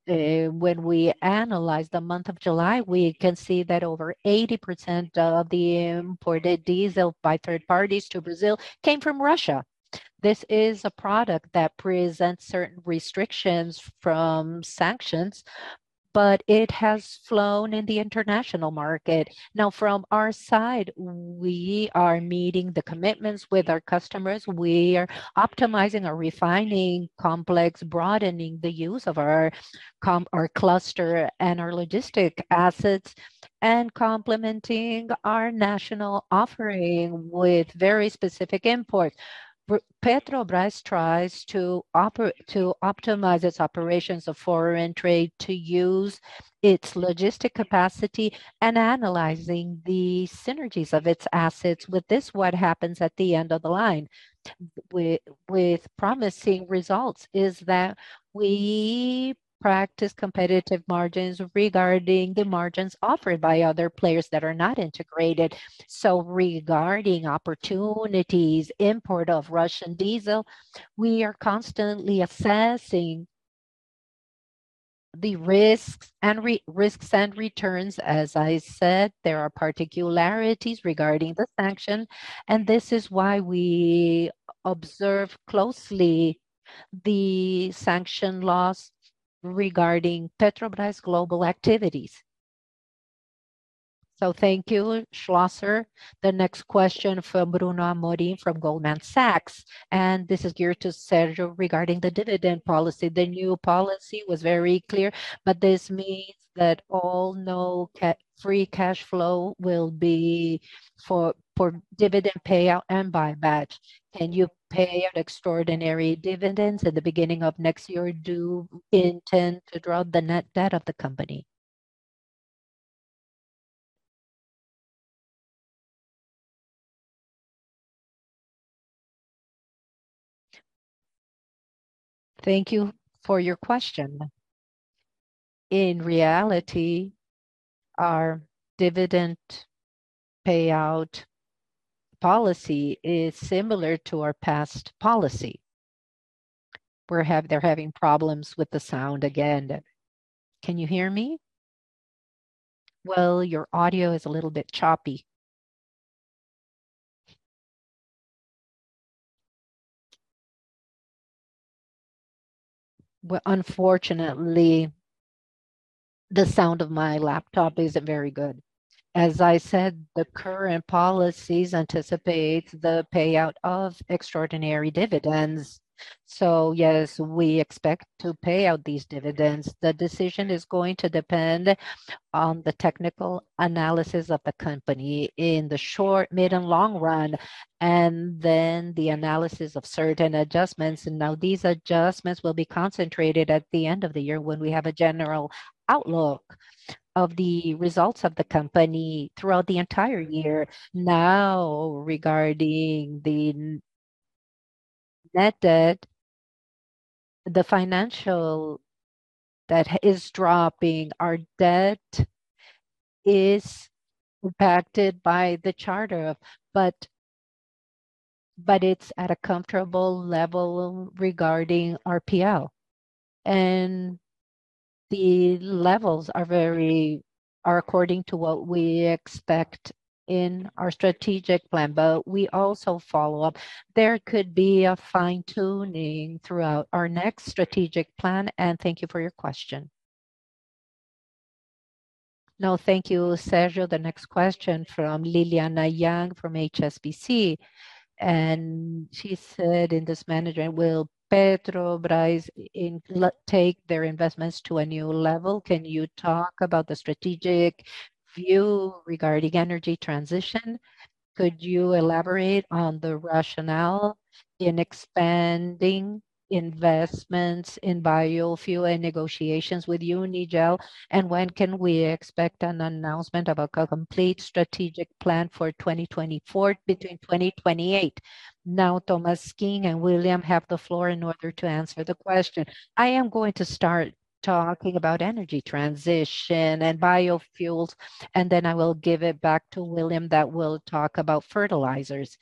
Speaker 3: When we analyze the month of July, we can see that over 80% of the imported diesel by third parties to Brazil came from Russia. This is a product that presents certain restrictions from sanctions, but it has flown in the international market. From our side, we are meeting the commitments with our customers. We are optimizing our refining complex, broadening the use of our cluster and our logistic assets, and complementing our national offering with very specific import. Petrobras tries to optimize its operations of foreign trade, to use its logistic capacity, and analyzing the synergies of its assets. With this, what happens at the end of the line, with, with promising results, is that we practice competitive margins regarding the margins offered by other players that are not integrated. Regarding opportunities, import of Russian diesel, we are constantly assessing the risks and returns. As I said, there are particularities regarding the sanction, this is why we observe closely the sanction laws regarding Petrobras global activities. Thank you, Schlosser. The next question from Bruno Amorim from Goldman Sachs, this is geared to Sergio regarding the dividend policy. The new policy was very clear, this means that all, no free cash flow will be for dividend payout and buyback. Can you pay an extraordinary dividends at the beginning of next year? Do you intend to drop the net debt of the company? Thank you for your question. In reality, our dividend payout policy is similar to our past policy. They're having problems with the sound again. Can you hear me? Well, your audio is a little bit choppy. Well, unfortunately, the sound of my laptop isn't very good. As I said, the current policies anticipate the payout of extraordinary dividends. Yes, we expect to pay out these dividends. The decision is going to depend on the technical analysis of the company in the short, mid, and long run, and then the analysis of certain adjustments. These adjustments will be concentrated at the end of the year when we have a general outlook of the results of the company throughout the entire year. Regarding the net debt, the financial that is dropping, our debt is impacted by the charter, but it's at a comfortable level regarding our PL. The levels are very, are according to what we expect in our strategic plan, but we also follow up. There could be a fine-tuning throughout our next strategic plan. Thank you for your question. Thank you, Sérgio. The next question from Liliana Yang, from HSBC, she said, in this management, will Petrobras take their investments to a new level? Can you talk about the strategic view regarding energy transition? Could you elaborate on the rationale in expanding investments in biofuel and negotiations with Unigel, when can we expect an announcement about a complete strategic plan for 2024 between 2028? Mauricio Tolmasquim and William França have the floor in order to answer the question. I am going to start talking about energy transition and biofuels, and then I will give it back to William França, that will talk about fertilizers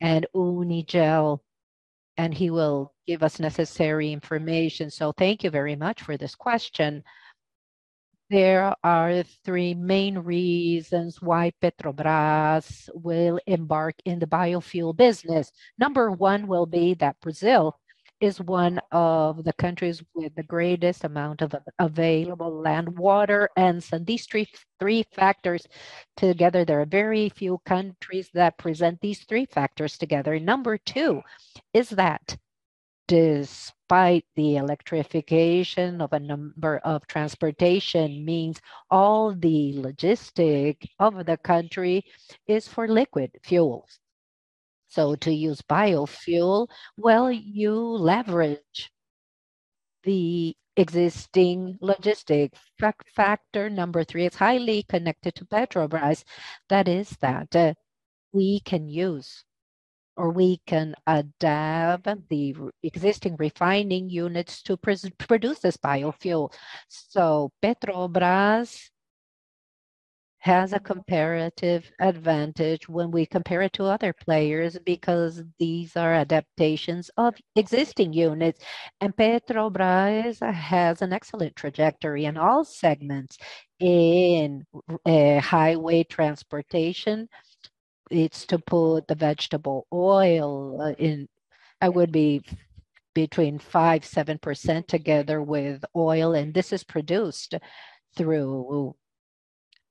Speaker 3: and Unigel, and he will give us necessary information. Thank you very much for this question. There are three main reasons why Petrobras will embark in the biofuel business. Number one will be that Brazil is one of the countries with the greatest amount of available land, water, and sun. These three, three factors together, there are very few countries that present these three factors together. Number two is that despite the electrification of a number of transportation means, all the logistic of the country is for liquid fuels. To use biofuel, well, you leverage the existing logistic. Factor number three is highly connected to Petrobras. That is that we can use, or we can adapt the existing refining units to produce this biofuel. Petrobras has a comparative advantage when we compare it to other players because these are adaptations of existing units, and Petrobras has an excellent trajectory in all segments. In highway transportation, it's to put the vegetable oil in... It would be between 5% and 7% together with oil, and this is produced through,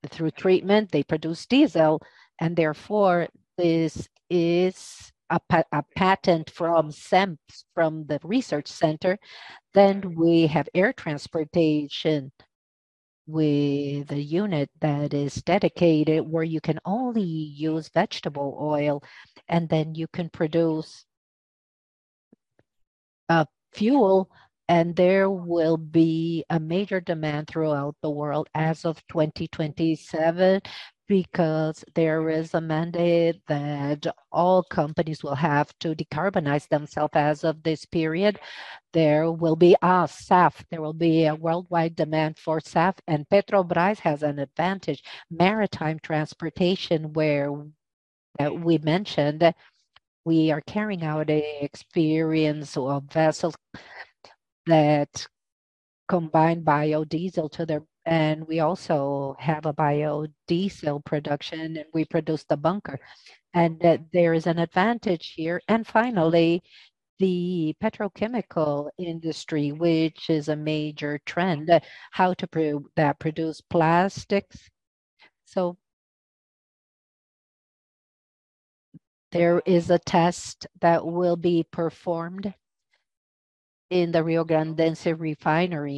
Speaker 3: through treatment. They produce diesel, and therefore, this is a patent from Cenpes, from the research center. We have air transportation with a unit that is dedicated, where you can only use vegetable oil, and then you can produce fuel, and there will be a major demand throughout the world as of 2027 because there is a mandate that all companies will have to decarbonize themselves as of this period. There will be a SAF, there will be a worldwide demand for SAF, and Petrobras has an advantage. Maritime transportation, where we mentioned, we are carrying out a experience of vessels that combine biodiesel to their... We also have a biodiesel production, and we produce the bunker, and that there is an advantage here. Finally, the petrochemical industry, which is a major trend, how to produce plastics. There is a test that will be performed in the Riograndense Refinery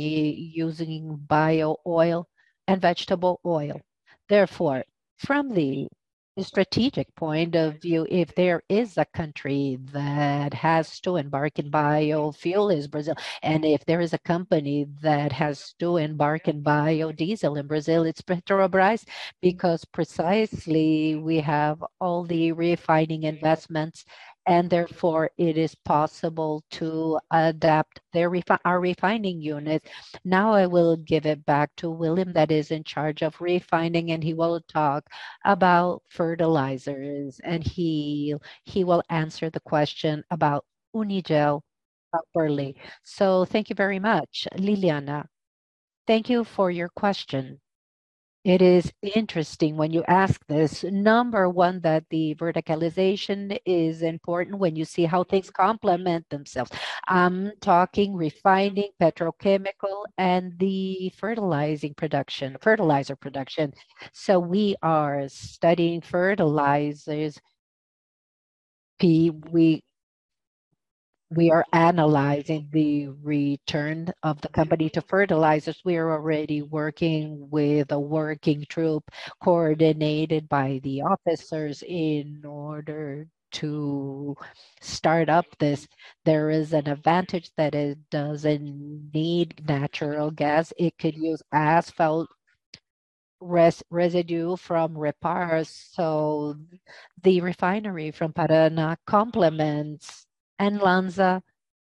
Speaker 3: using bio oil and vegetable oil. From the strategic point of view, if there is a country that has to embark in biofuel, is Brazil, and if there is a company that has to embark in biodiesel in Brazil, it's Petrobras, because precisely we have all the refining investments, and therefore, it is possible to adapt our refining unit. Now I will give it back to William, that is in charge of refining, and he will talk about fertilizers, and he will answer the question about Unigel properly. Thank you very much, Liliana. Thank you for your question. It is interesting when you ask this. Number one, that the verticalization is important when you see how things complement themselves. Talking, refining, petrochemical, and the fertilizing production-- fertilizer production. We are studying fertilizers. We are analyzing the return of the company to fertilizers. We are already working with a working troop coordinated by the officers in order to start up this. There is an advantage that it doesn't need natural gas. It could use asphalt residue from REPAR. The refinery from Paraná complements, and Ansa,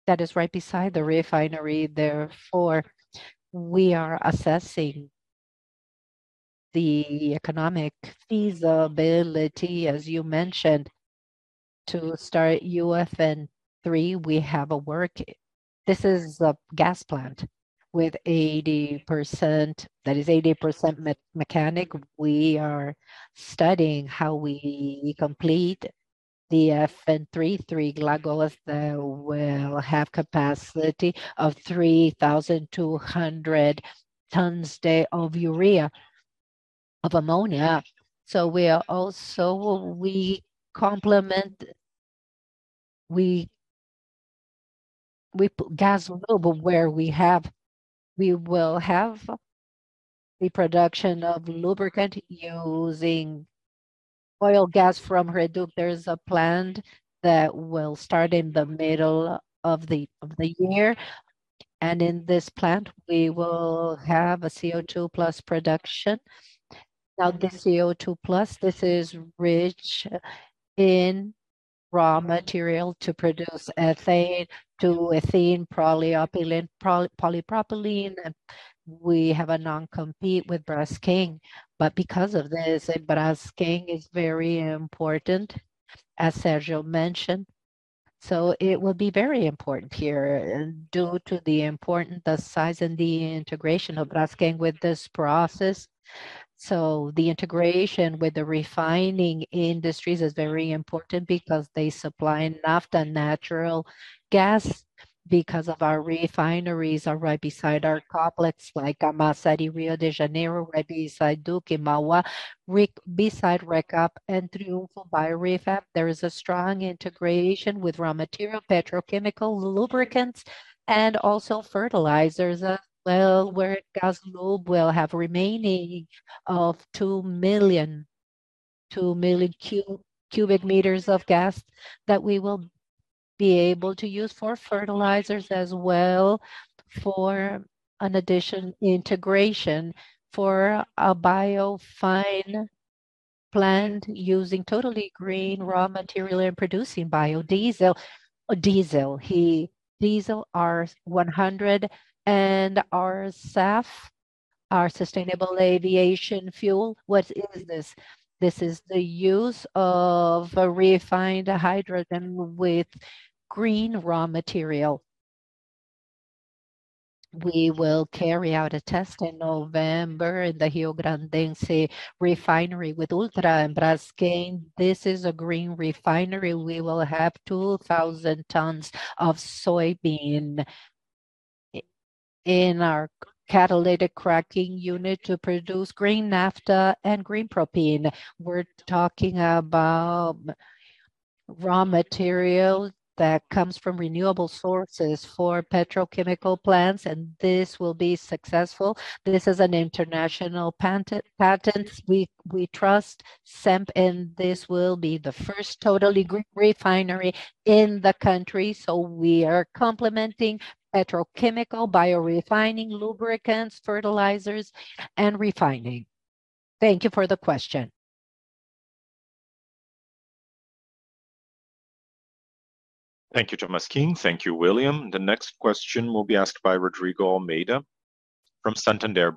Speaker 3: that is right beside the refinery, therefore, we are assessing the economic feasibility, as you mentioned. To start UFN-III, we have a work. This is a gas plant with 80%, that is, 80% mechanic. We are studying how we complete the UFN-III, three glogolas that will have capacity of 3,200 tons day of urea, of ammonia. We are also... We complement, we, we put GasLub where we have-- we will have the production of lubricant using oil gas from REDUC. There is a plant that will start in the middle of the year, and in this plant, we will have a CO2 Plus production. Now, this CO2 Plus, this is rich in raw material to produce ethane to ethene, polypropylene, and we have a non-compete with Braskem. Because of this, and Braskem is very important, as Sérgio mentioned, so it will be very important here due to the size and the integration of Braskem with this process. The integration with the refining industries is very important because they supply enough the natural gas because of our refineries are right beside our complex, like Camaçari, Rio de Janeiro, right beside Duque Mauá, beside Recap and Triunfo. There is a strong integration with raw material, petrochemical, lubricants, and also fertilizers as well, where GasLub will have remaining of 2 million cubic meters of gas that we will be able to use for fertilizers, as well for an addition integration for a biofine plant using totally green raw material and producing biodiesel. Diesel R100 and our SAF, our sustainable aviation fuel. What is this? This is the use of a refined hydrogen with green raw material. We will carry out a test in November in the Riograndense Refinery with Ultra and Braskem. This is a green refinery. We will have 2,000 tons of soybean in our catalytic cracking unit to produce green naphtha and green propene. We're talking about raw material that comes from renewable sources for petrochemical plants, and this will be successful. This is an international patent. We, we trust SEMP, this will be the first totally green refinery in the country. We are complementing petrochemical, biorefining, lubricants, fertilizers, and refining. Thank you for the question.
Speaker 5: Thank you, Mauricio Tolmasquim. Thank you, William França. The next question will be asked by Rodrigo Almeida from Santander.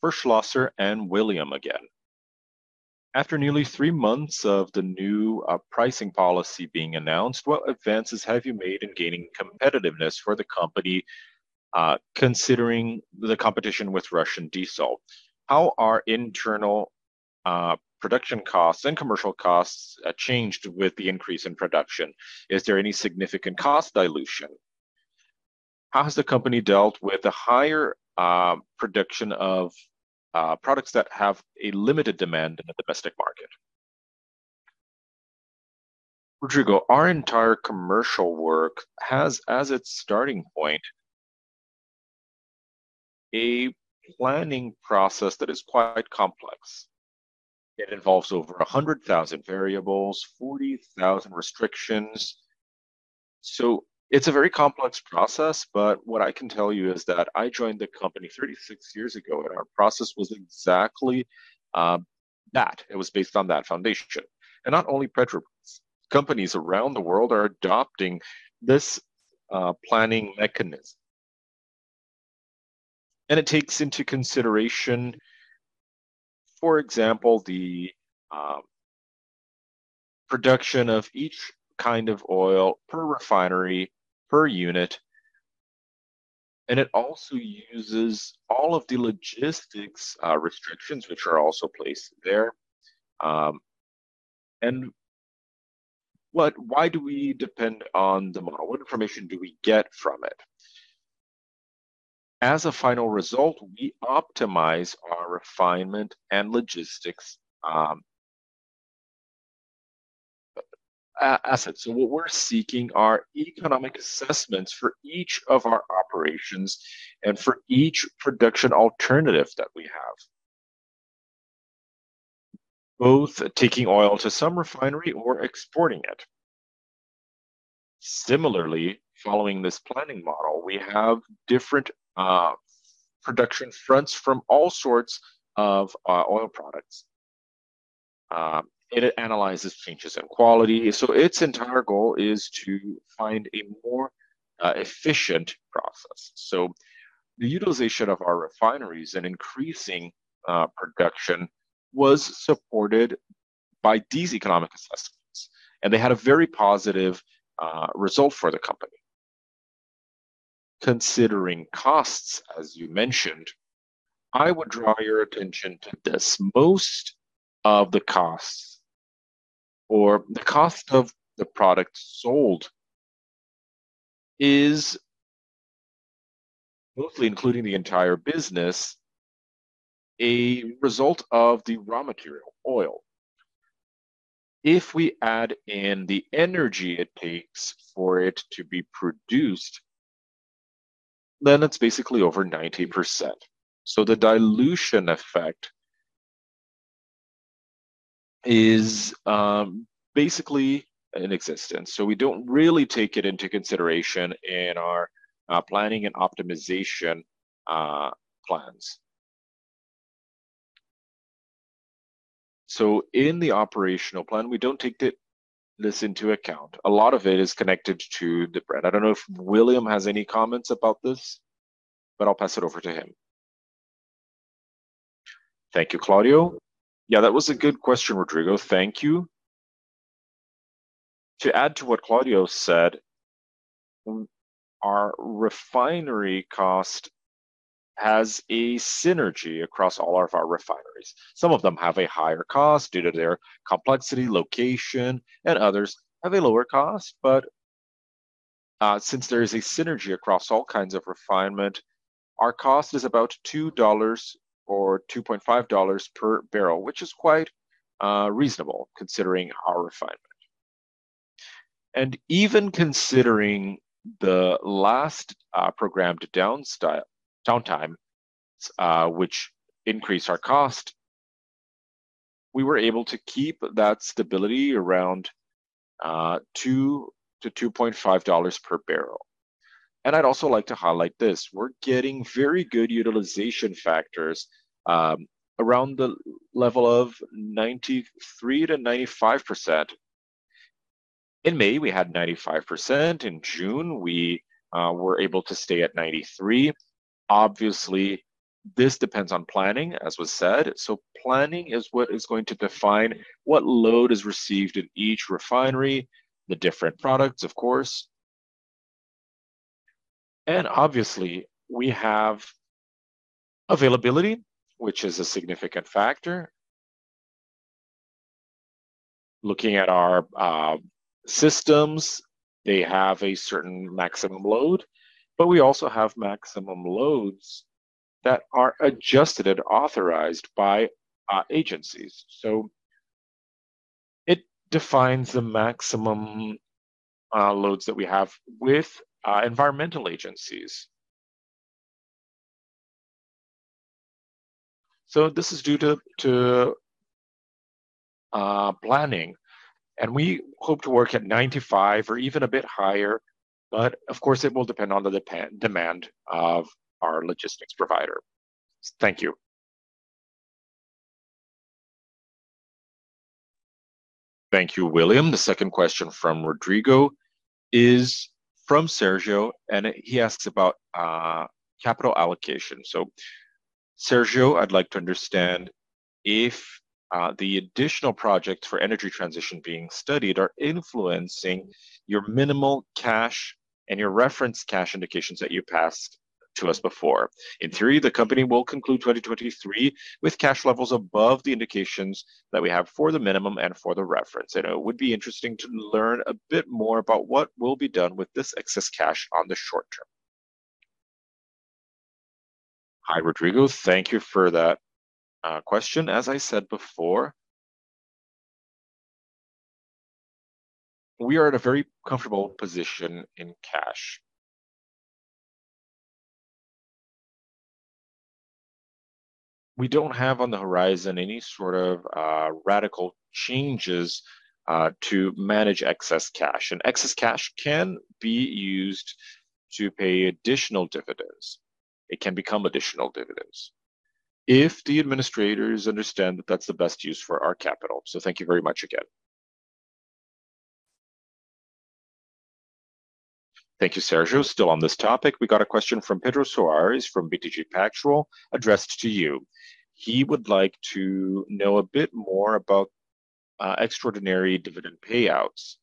Speaker 5: For Schlosser and William França again: After nearly three months of the new pricing policy being announced, what advances have you made in gaining competitiveness for the company, considering the competition with Russian diesel? How are internal production costs and commercial costs changed with the increase in production? Is there any significant cost dilution? How has the company dealt with the higher production of products that have a limited demand in the domestic market? Rodrigo, our entire commercial work has, as its starting point, a planning process that is quite complex. It involves over 100,000 variables, 40,000 restrictions. It's a very complex process, but what I can tell you is that I joined the company 36 years ago, and our process was exactly that. It was based on that foundation. Not only Petrobras, companies around the world are adopting this planning mechanism. It takes into consideration, for example, the production of each kind of oil per refinery, per unit, and it also uses all of the logistics restrictions, which are also placed there. Why do we depend on the model? What information do we get from it? As a final result, we optimize our refinement and logistics assets. What we're seeking are economic assessments for each of our operations and for each production alternative that we have, both taking oil to some refinery or exporting it. Similarly, following this planning model, we have different production fronts from all sorts of oil products. It analyzes changes in quality. Its entire goal is to find a more efficient process. The utilization of our refineries and increasing production was supported by these economic assessments, and they had a very positive result for the company. Considering costs, as you mentioned, I would draw your attention to this. Most of the costs or the cost of the product sold is mostly including the entire business, a result of the raw material, oil. If we add in the energy it takes for it to be produced, then it's basically over 90%. The dilution effect is basically in existence, so we don't really take it into consideration in our planning and optimization plans. In the operational plan, we don't take this into account. A lot of it is connected to the brand. I don't know if William França has any comments about this, but I'll pass it over to him.
Speaker 8: Thank you, Claudio Schlosser. That was a good question, Rodrigo Almeida. Thank you. To add to what Claudio Schlosser said, our refinery cost has a synergy across all of our refineries. Some of them have a higher cost due to their complexity, location, and others have a lower cost. Since there is a synergy across all kinds of refinement, our cost is about $2 or $2.5 per barrel, which is quite reasonable considering our refinement. Even considering the last programmed downtime, which increased our cost, we were able to keep that stability around $2 to $2.5 per barrel. I'd also like to highlight this: We're getting very good utilization factors, around the level of 93% to 95%. In May, we had 95%. In June, we were able to stay at 93. Obviously, this depends on planning, as was said. Planning is what is going to define what load is received in each refinery, the different products, of course. Obviously, we have availability, which is a significant factor. Looking at our systems, they have a certain maximum load, but we also have maximum loads that are adjusted and authorized by agencies. It defines the maximum loads that we have with environmental agencies. This is due to, to planning, and we hope to work at 95 or even a bit higher, but of course, it will depend on the demand of our logistics provider.
Speaker 5: Thank you. Thank you, William. The second question from Rodrigo is from Sergio, he asks about capital allocation. Sergio, I'd like to understand if the additional projects for energy transition being studied are influencing your minimal cash and your reference cash indications that you passed to us before. In theory, the company will conclude 2023 with cash levels above the indications that we have for the minimum and for the reference. It would be interesting to learn a bit more about what will be done with this excess cash on the short term. Hi, Rodrigo. Thank you for that question. As I said before, we are at a very comfortable position in cash. We don't have on the horizon any sort of radical changes to manage excess cash. Excess cash can be used to pay additional dividends. It can become additional dividends if the administrators understand that that's the best use for our capital. Thank you very much again. Thank you, Sergio. Still on this topic, we got a question from Pedro Soares, from BTG Pactual, addressed to you. He would like to know a bit more about extraordinary dividend payouts.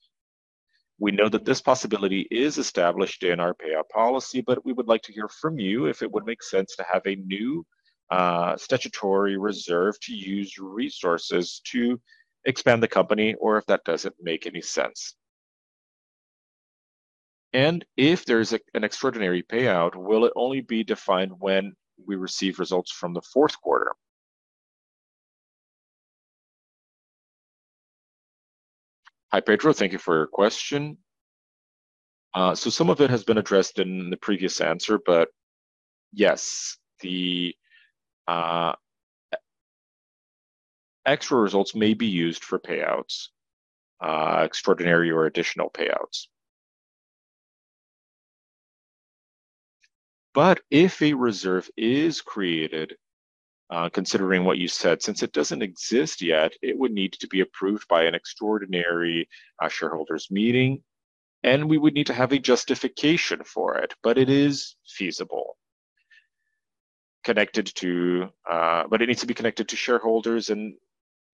Speaker 5: We know that this possibility is established in our payout policy, but we would like to hear from you if it would make sense to have a new statutory reserve to use resources to expand the company, or if that doesn't make any sense. If there's an extraordinary payout, will it only be defined when we receive results from the fourth quarter? Hi, Pedro. Thank you for your question. Some of it has been addressed in the previous answer, but yes, the extra results may be used for payouts, extraordinary or additional payouts. If a reserve is created, considering what you said, since it doesn't exist yet, it would need to be approved by an extraordinary shareholders' meeting, and we would need to have a justification for it, but it is feasible. Connected to... It needs to be connected to shareholders, and,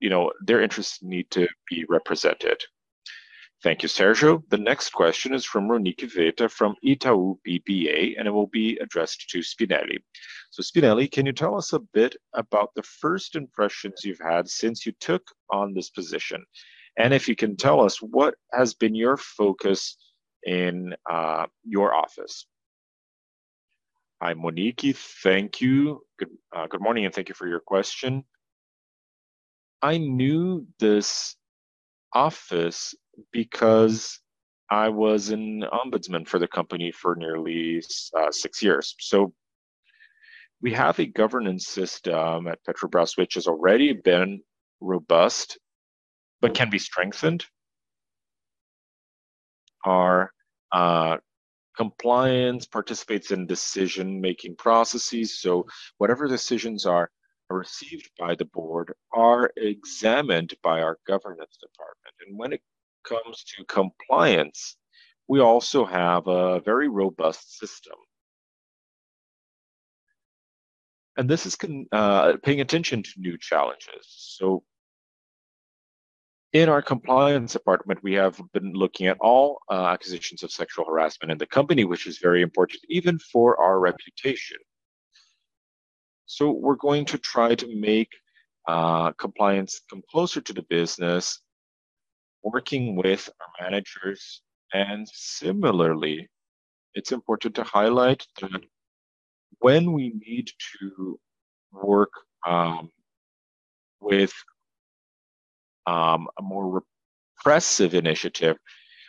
Speaker 5: you know, their interests need to be represented. Thank you, Sérgio. The next question is from Monique Greco, from Itaú BBA, and it will be addressed to Spinelli. Spinelli, can you tell us a bit about the first impressions you've had since you took on this position? If you can tell us, what has been your focus in your office? Hi, Monique. Thank you. Good morning, thank you for your question. I knew this office because I was an ombudsman for the company for nearly six years. We have a governance system at Petrobras, which has already been robust but can be strengthened. Our compliance participates in decision-making processes, so whatever decisions are received by the board are examined by our governance department. When it comes to compliance, we also have a very robust system. This is paying attention to new challenges. In our compliance department, we have been looking at all accusations of sexual harassment in the company, which is very important even for our reputation. We're going to try to make compliance come closer to the business, working with our managers. Similarly, it's important to highlight that when we need to work with a more repressive initiative,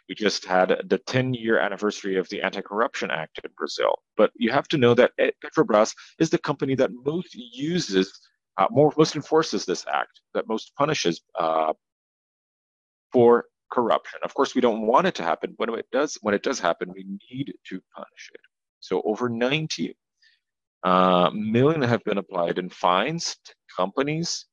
Speaker 5: we just had the 10-year anniversary of the Anti-Corruption Act in Brazil. You have to know that Petrobras is the company that most uses, most enforces this act, that most punishes for corruption. Of course, we don't want it to happen, but when it does, when it does happen, we need to punish it. Over 90 million have been applied in fines to companies.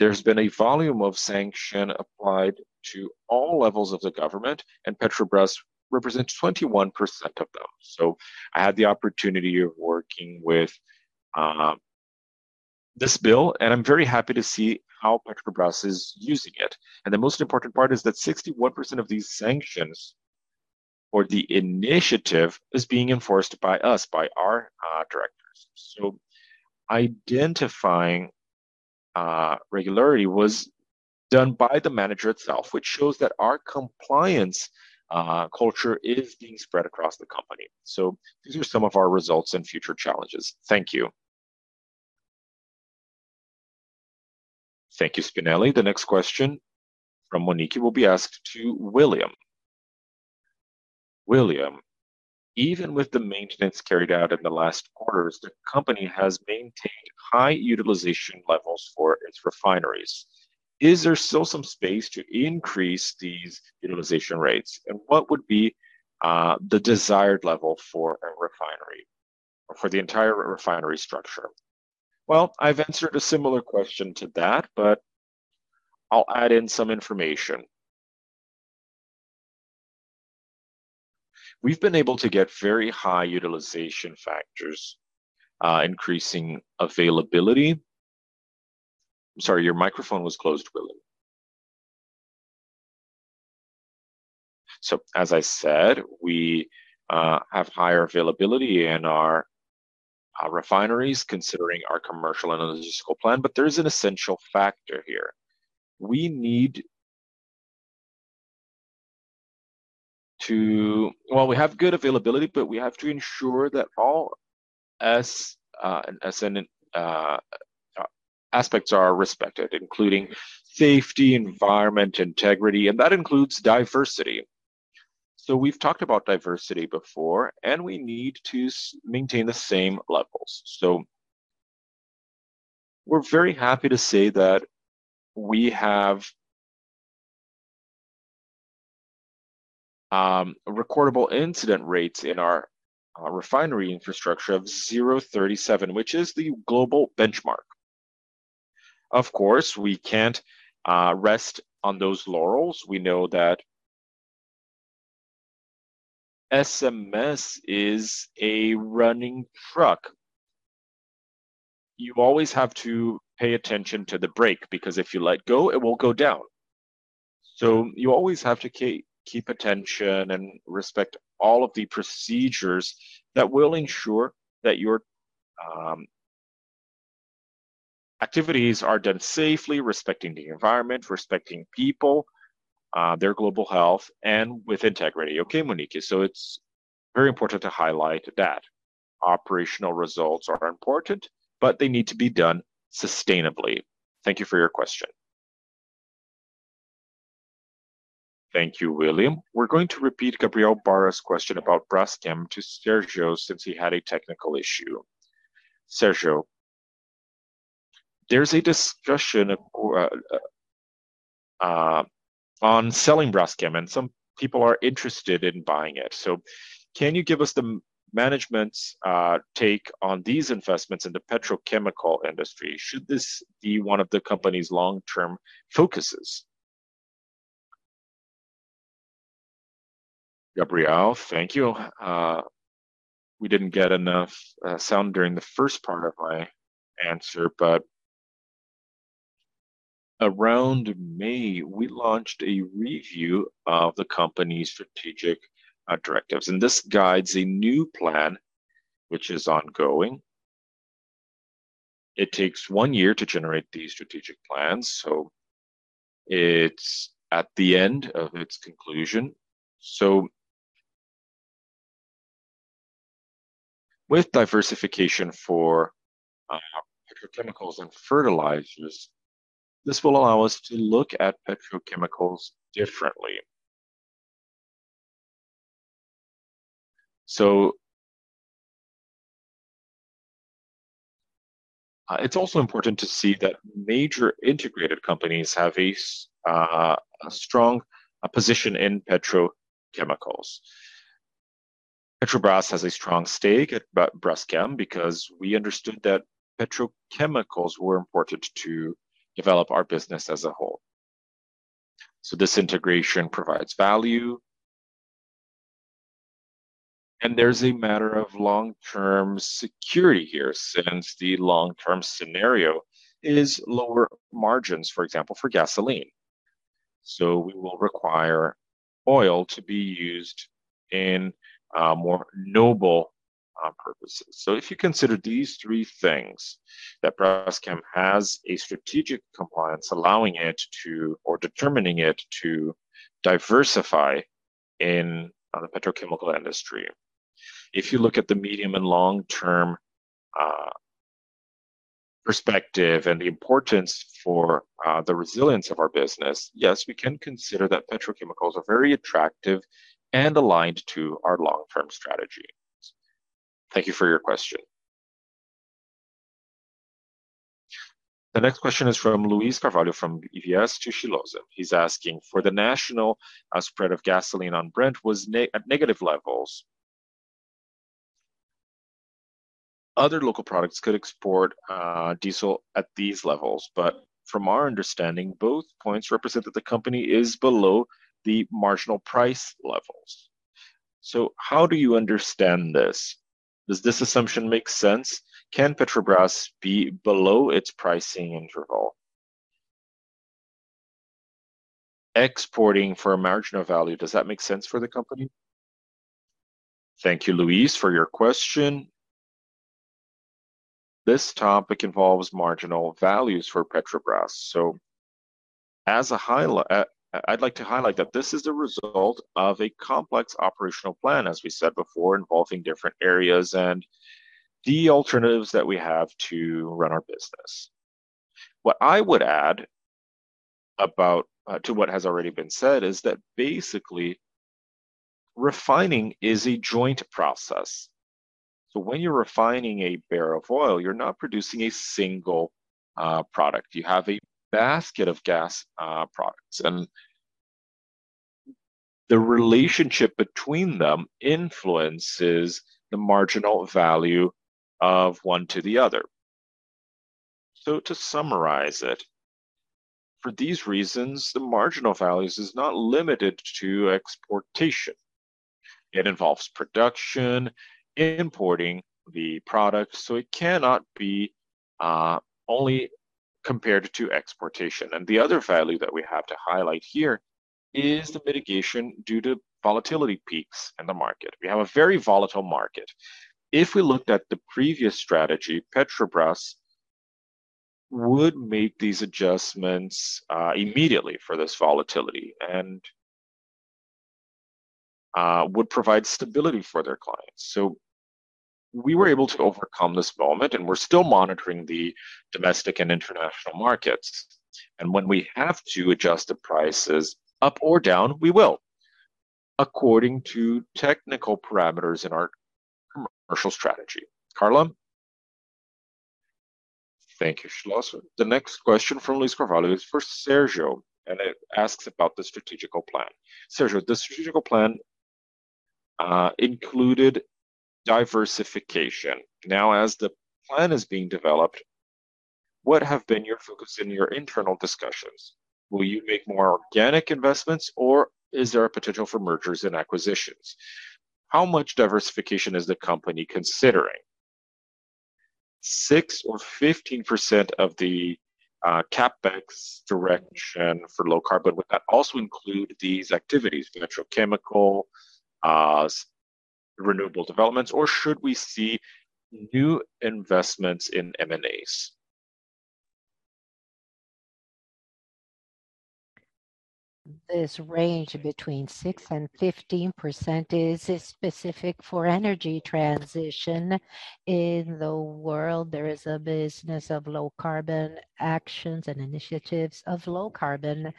Speaker 5: There's been a volume of sanction applied to all levels of the government, and Petrobras represents 21% of them. I had the opportunity of working with this bill, and I'm very happy to see how Petrobras is using it.
Speaker 9: The most important part is that 61% of these sanctions or the initiative is being enforced by us, by our directors. Identifying regularity was done by the manager itself, which shows that our compliance culture is being spread across the company. These are some of our results and future challenges. Thank you. Thank you, Spinelli. The next question from Monique will be asked to William. William, even with the maintenance carried out in the last quarters, the company has maintained high utilization levels for its refineries. Is there still some space to increase these utilization rates? What would be the desired level for a refinery, or for the entire refinery structure? Well, I've answered a similar question to that, but I'll add in some information. We've been able to get very high utilization factors, increasing availability.
Speaker 5: Sorry, your microphone was closed, William. As I said, we have higher availability in our refineries, considering our commercial and logistical plan, but there is an essential factor here. To, well, we have good availability, but we have to ensure that all HSE aspects are respected, including safety, environment, integrity, and that includes diversity. We've talked about diversity before, and we need to maintain the same levels. We're very happy to say that we have a recordable incident rates in our refinery infrastructure of 0.37, which is the global benchmark. Of course, we can't rest on those laurels. We know that HSE is a running truck. You always have to pay attention to the brake, because if you let go, it will go down. You always have to keep attention and respect all of the procedures that will ensure that your activities are done safely, respecting the environment, respecting people, their global health, and with integrity. Okay, Monique, it's very important to highlight that operational results are important, but they need to be done sustainably. Thank you for your question. Thank you, William. We're going to repeat Gabriel Barra's question about Braskem to Sergio, since he had a technical issue. Sergio, there's a discussion on selling Braskem, and some people are interested in buying it. Can you give us the management's take on these investments in the petrochemical industry? Should this be one of the company's long-term focuses? Gabriel, thank you. We didn't get enough sound during the first part of my answer. Around May, we launched a review of the company's strategic directives, and this guides a new plan, which is ongoing. It takes one year to generate these strategic plans, so it's at the end of its conclusion. With diversification for petrochemicals and fertilizers, this will allow us to look at petrochemicals differently. It's also important to see that major integrated companies have a strong position in petrochemicals. Petrobras has a strong stake at Braskem because we understood that petrochemicals were important to develop our business as a whole. This integration provides value, and there's a matter of long-term security here, since the long-term scenario is lower margins, for example, for gasoline. We will require oil to be used in more noble purposes. If you consider these three things, that Braskem has a strategic compliance allowing it to, or determining it to diversify in the petrochemical industry. If you look at the medium and long-term perspective and the importance for the resilience of our business, yes, we can consider that petrochemicals are very attractive and aligned to our long-term strategy. Thank you for your question. The next question is from Luis Carvalho, from UBS, to Schlosser. He's asking, for the national spread of gasoline on Brent was at negative levels. Other local products could export diesel at these levels, but from our understanding, both points represent that the company is below the marginal price levels. How do you understand this? Does this assumption make sense? Can Petrobras be below its pricing interval? Exporting for a marginal value, does that make sense for the company? Thank you, Luis, for your question. This topic involves marginal values for Petrobras. As I'd like to highlight that this is the result of a complex operational plan, as we said before, involving different areas and the alternatives that we have to run our business. What I would add about to what has already been said, is that basically, refining is a joint process. When you're refining a barrel of oil, you're not producing a single product. You have a basket of gas products, and the relationship between them influences the marginal value of one to the other. To summarize it, for these reasons, the marginal values is not limited to exportation. It involves production, importing the product, it cannot be only compared to exportation. The other value that we have to highlight here is the mitigation due to volatility peaks in the market. We have a very volatile market. If we looked at the previous strategy, Petrobras would make these adjustments immediately for this volatility, and would provide stability for their clients. We were able to overcome this moment, and we're still monitoring the domestic and international markets. When we have to adjust the prices up or down, we will, according to technical parameters in our commercial strategy. Carla? Thank you, Schlosser. The next question from Luis Carvalho is for Sérgio, and it asks about the strategical plan. Sérgio, the strategical plan included diversification. Now, as the plan is being developed, what have been your focus in your internal discussions? Will you make more organic investments, or is there a potential for mergers and acquisitions? How much diversification is the company considering? 6% or 15% of the CapEx direction for low carbon. Would that also include these activities, petrochemical, renewable developments, or should we see new investments in M&As?
Speaker 3: This range between 6% to 15% is specific for energy transition. In the world, there is a business of low carbon actions and initiatives of low carbon.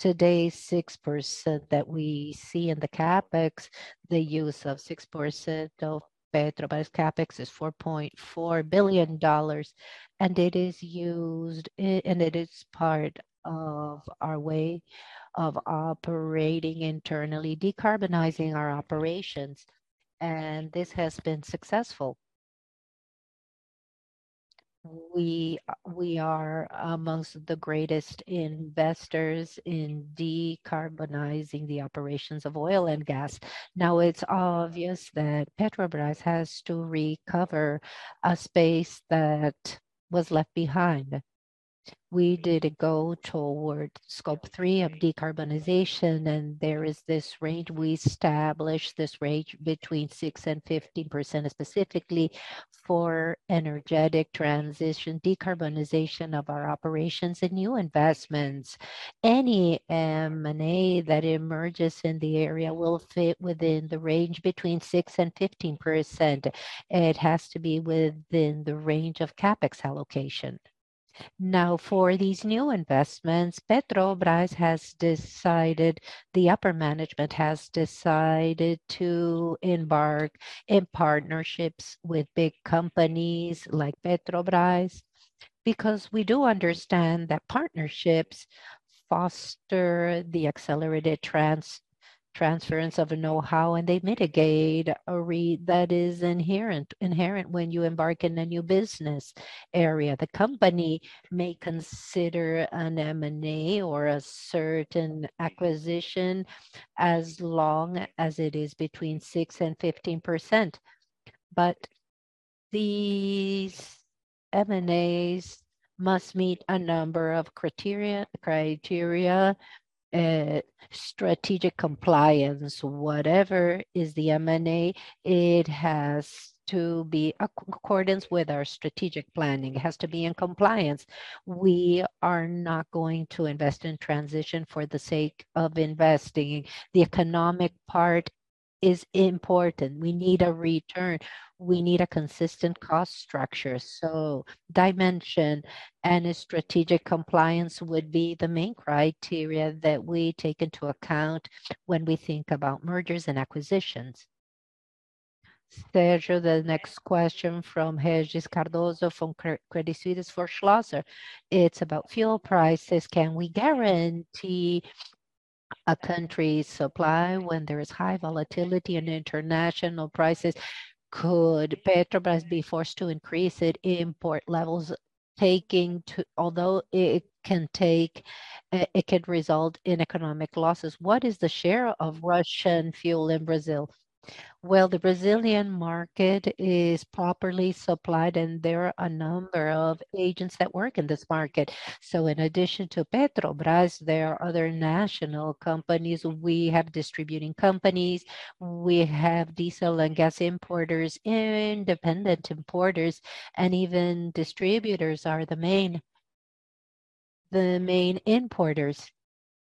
Speaker 3: Today, 6% that we see in the CapEx, the use of 6% of Petrobras CapEx is $4.4 billion, and it is used, and it is part of our way of operating internally, decarbonizing our operations, and this has been successful. We, we are, most of the greatest investors in decarbonizing the operations of oil and gas. Now, it's obvious that Petrobras has to recover a space that was left behind. We didn't go toward Scope 3 of decarbonization, and there is this range. We established this range between 6% to 15%, specifically for energetic transition, decarbonization of our operations and new investments. Any M&A that emerges in the area will fit within the range between 6% and 15%. It has to be within the range of CapEx allocation. For these new investments, Petrobras has decided, the upper management has decided to embark in partnerships with big companies like Petrobras, because we do understand that partnerships foster the accelerated transference of know-how, and they mitigate a risk that is inherent when you embark in a new business area. The company may consider an M&A or a certain acquisition as long as it is between 6% and 15%. These M&As must meet a number of criteria, strategic compliance. Whatever is the M&A, it has to be accordance with our strategic planning. It has to be in compliance. We are not going to invest in transition for the sake of investing. The economic part is important. We need a return. We need a consistent cost structure. Dimension and a strategic compliance would be the main criteria that we take into account when we think about mergers and acquisitions. Sérgio, the next question from Regis Cardoso, from Credit Suisse, is for Schlosser. It's about fuel prices: Can we guarantee a country's supply when there is high volatility in international prices? Could Petrobras be forced to increase its import levels, taking to... Although it can take, it could result in economic losses, what is the share of Russian fuel in Brazil? Well, the Brazilian market is properly supplied, and there are a number of agents that work in this market. In addition to Petrobras, there are other national companies. We have distributing companies, we have diesel and gas importers, independent importers, and even distributors are the main, the main importers.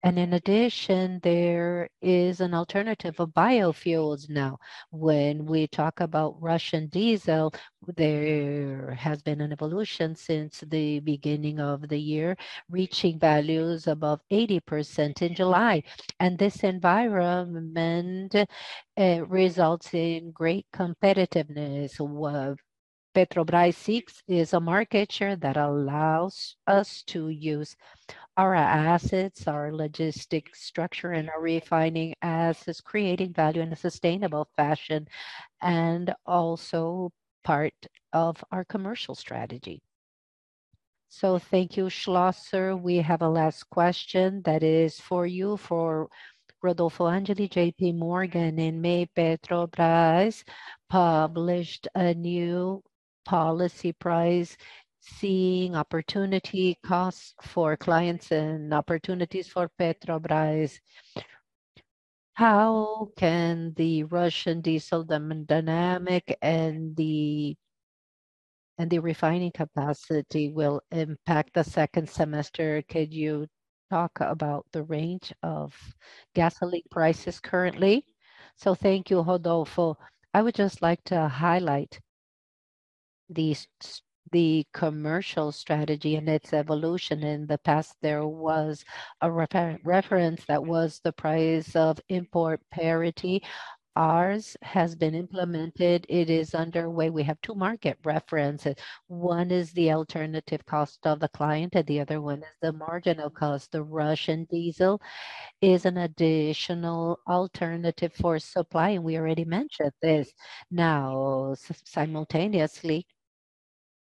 Speaker 3: In addition, there is an alternative of biofuels now. When we talk about Russian diesel, there has been an evolution since the beginning of the year, reaching values above 80% in July, and this environment results in great competitiveness. What Petrobras seeks is a market share that allows us to use our assets, our logistic structure, and our refining assets, creating value in a sustainable fashion, and also part of our commercial strategy. Thank you, Schlosser. We have a last question that is for you, for Rodolfo Angele, JPMorgan. In May, Petrobras published a new policy price, seeing opportunity costs for clients and opportunities for Petrobras. How can the Russian diesel demand dynamic and the, and the refining capacity will impact the second semester? Could you talk about the range of gasoline prices currently? Thank you, Rodolfo. I would just like to highlight the commercial strategy and its evolution. In the past, there was a reference that was the price of import parity. Ours has been implemented. It is underway. We have two market references. One is the alternative cost of the client, and the other one is the marginal cost. The Russian diesel is an additional alternative for supply, and we already mentioned this. Simultaneously,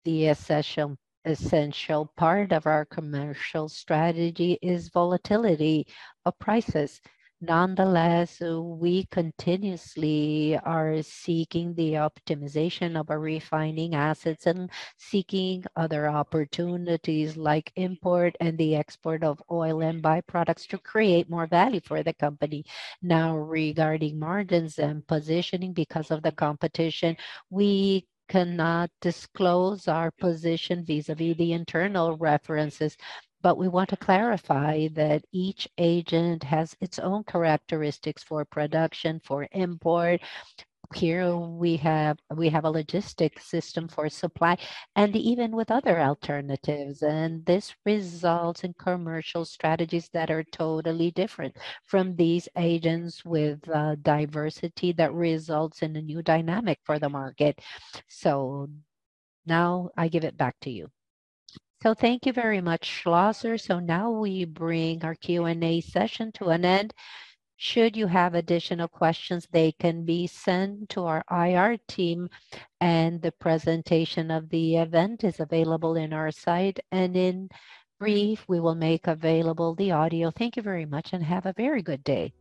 Speaker 3: the essential, essential part of our commercial strategy is volatility of prices. Nonetheless, we continuously are seeking the optimization of our refining assets and seeking other opportunities like import and the export of oil and byproducts to create more value for the company. Now, regarding margins and positioning, because of the competition, we cannot disclose our position the internal references, but we want to clarify that each agent has its own characteristics for production, for import. Here we have a logistics system for supply, and even with other alternatives, and this results in commercial strategies that are totally different from these agents with diversity that results in a new dynamic for the market. Now I give it back to you. Thank you very much, Schlosser. Now we bring our Q&A session to an end. Should you have additional questions, they can be sent to our IR team, and the presentation of the event is available in our site. In brief, we will make available the audio. Thank you very much, and have a very good day.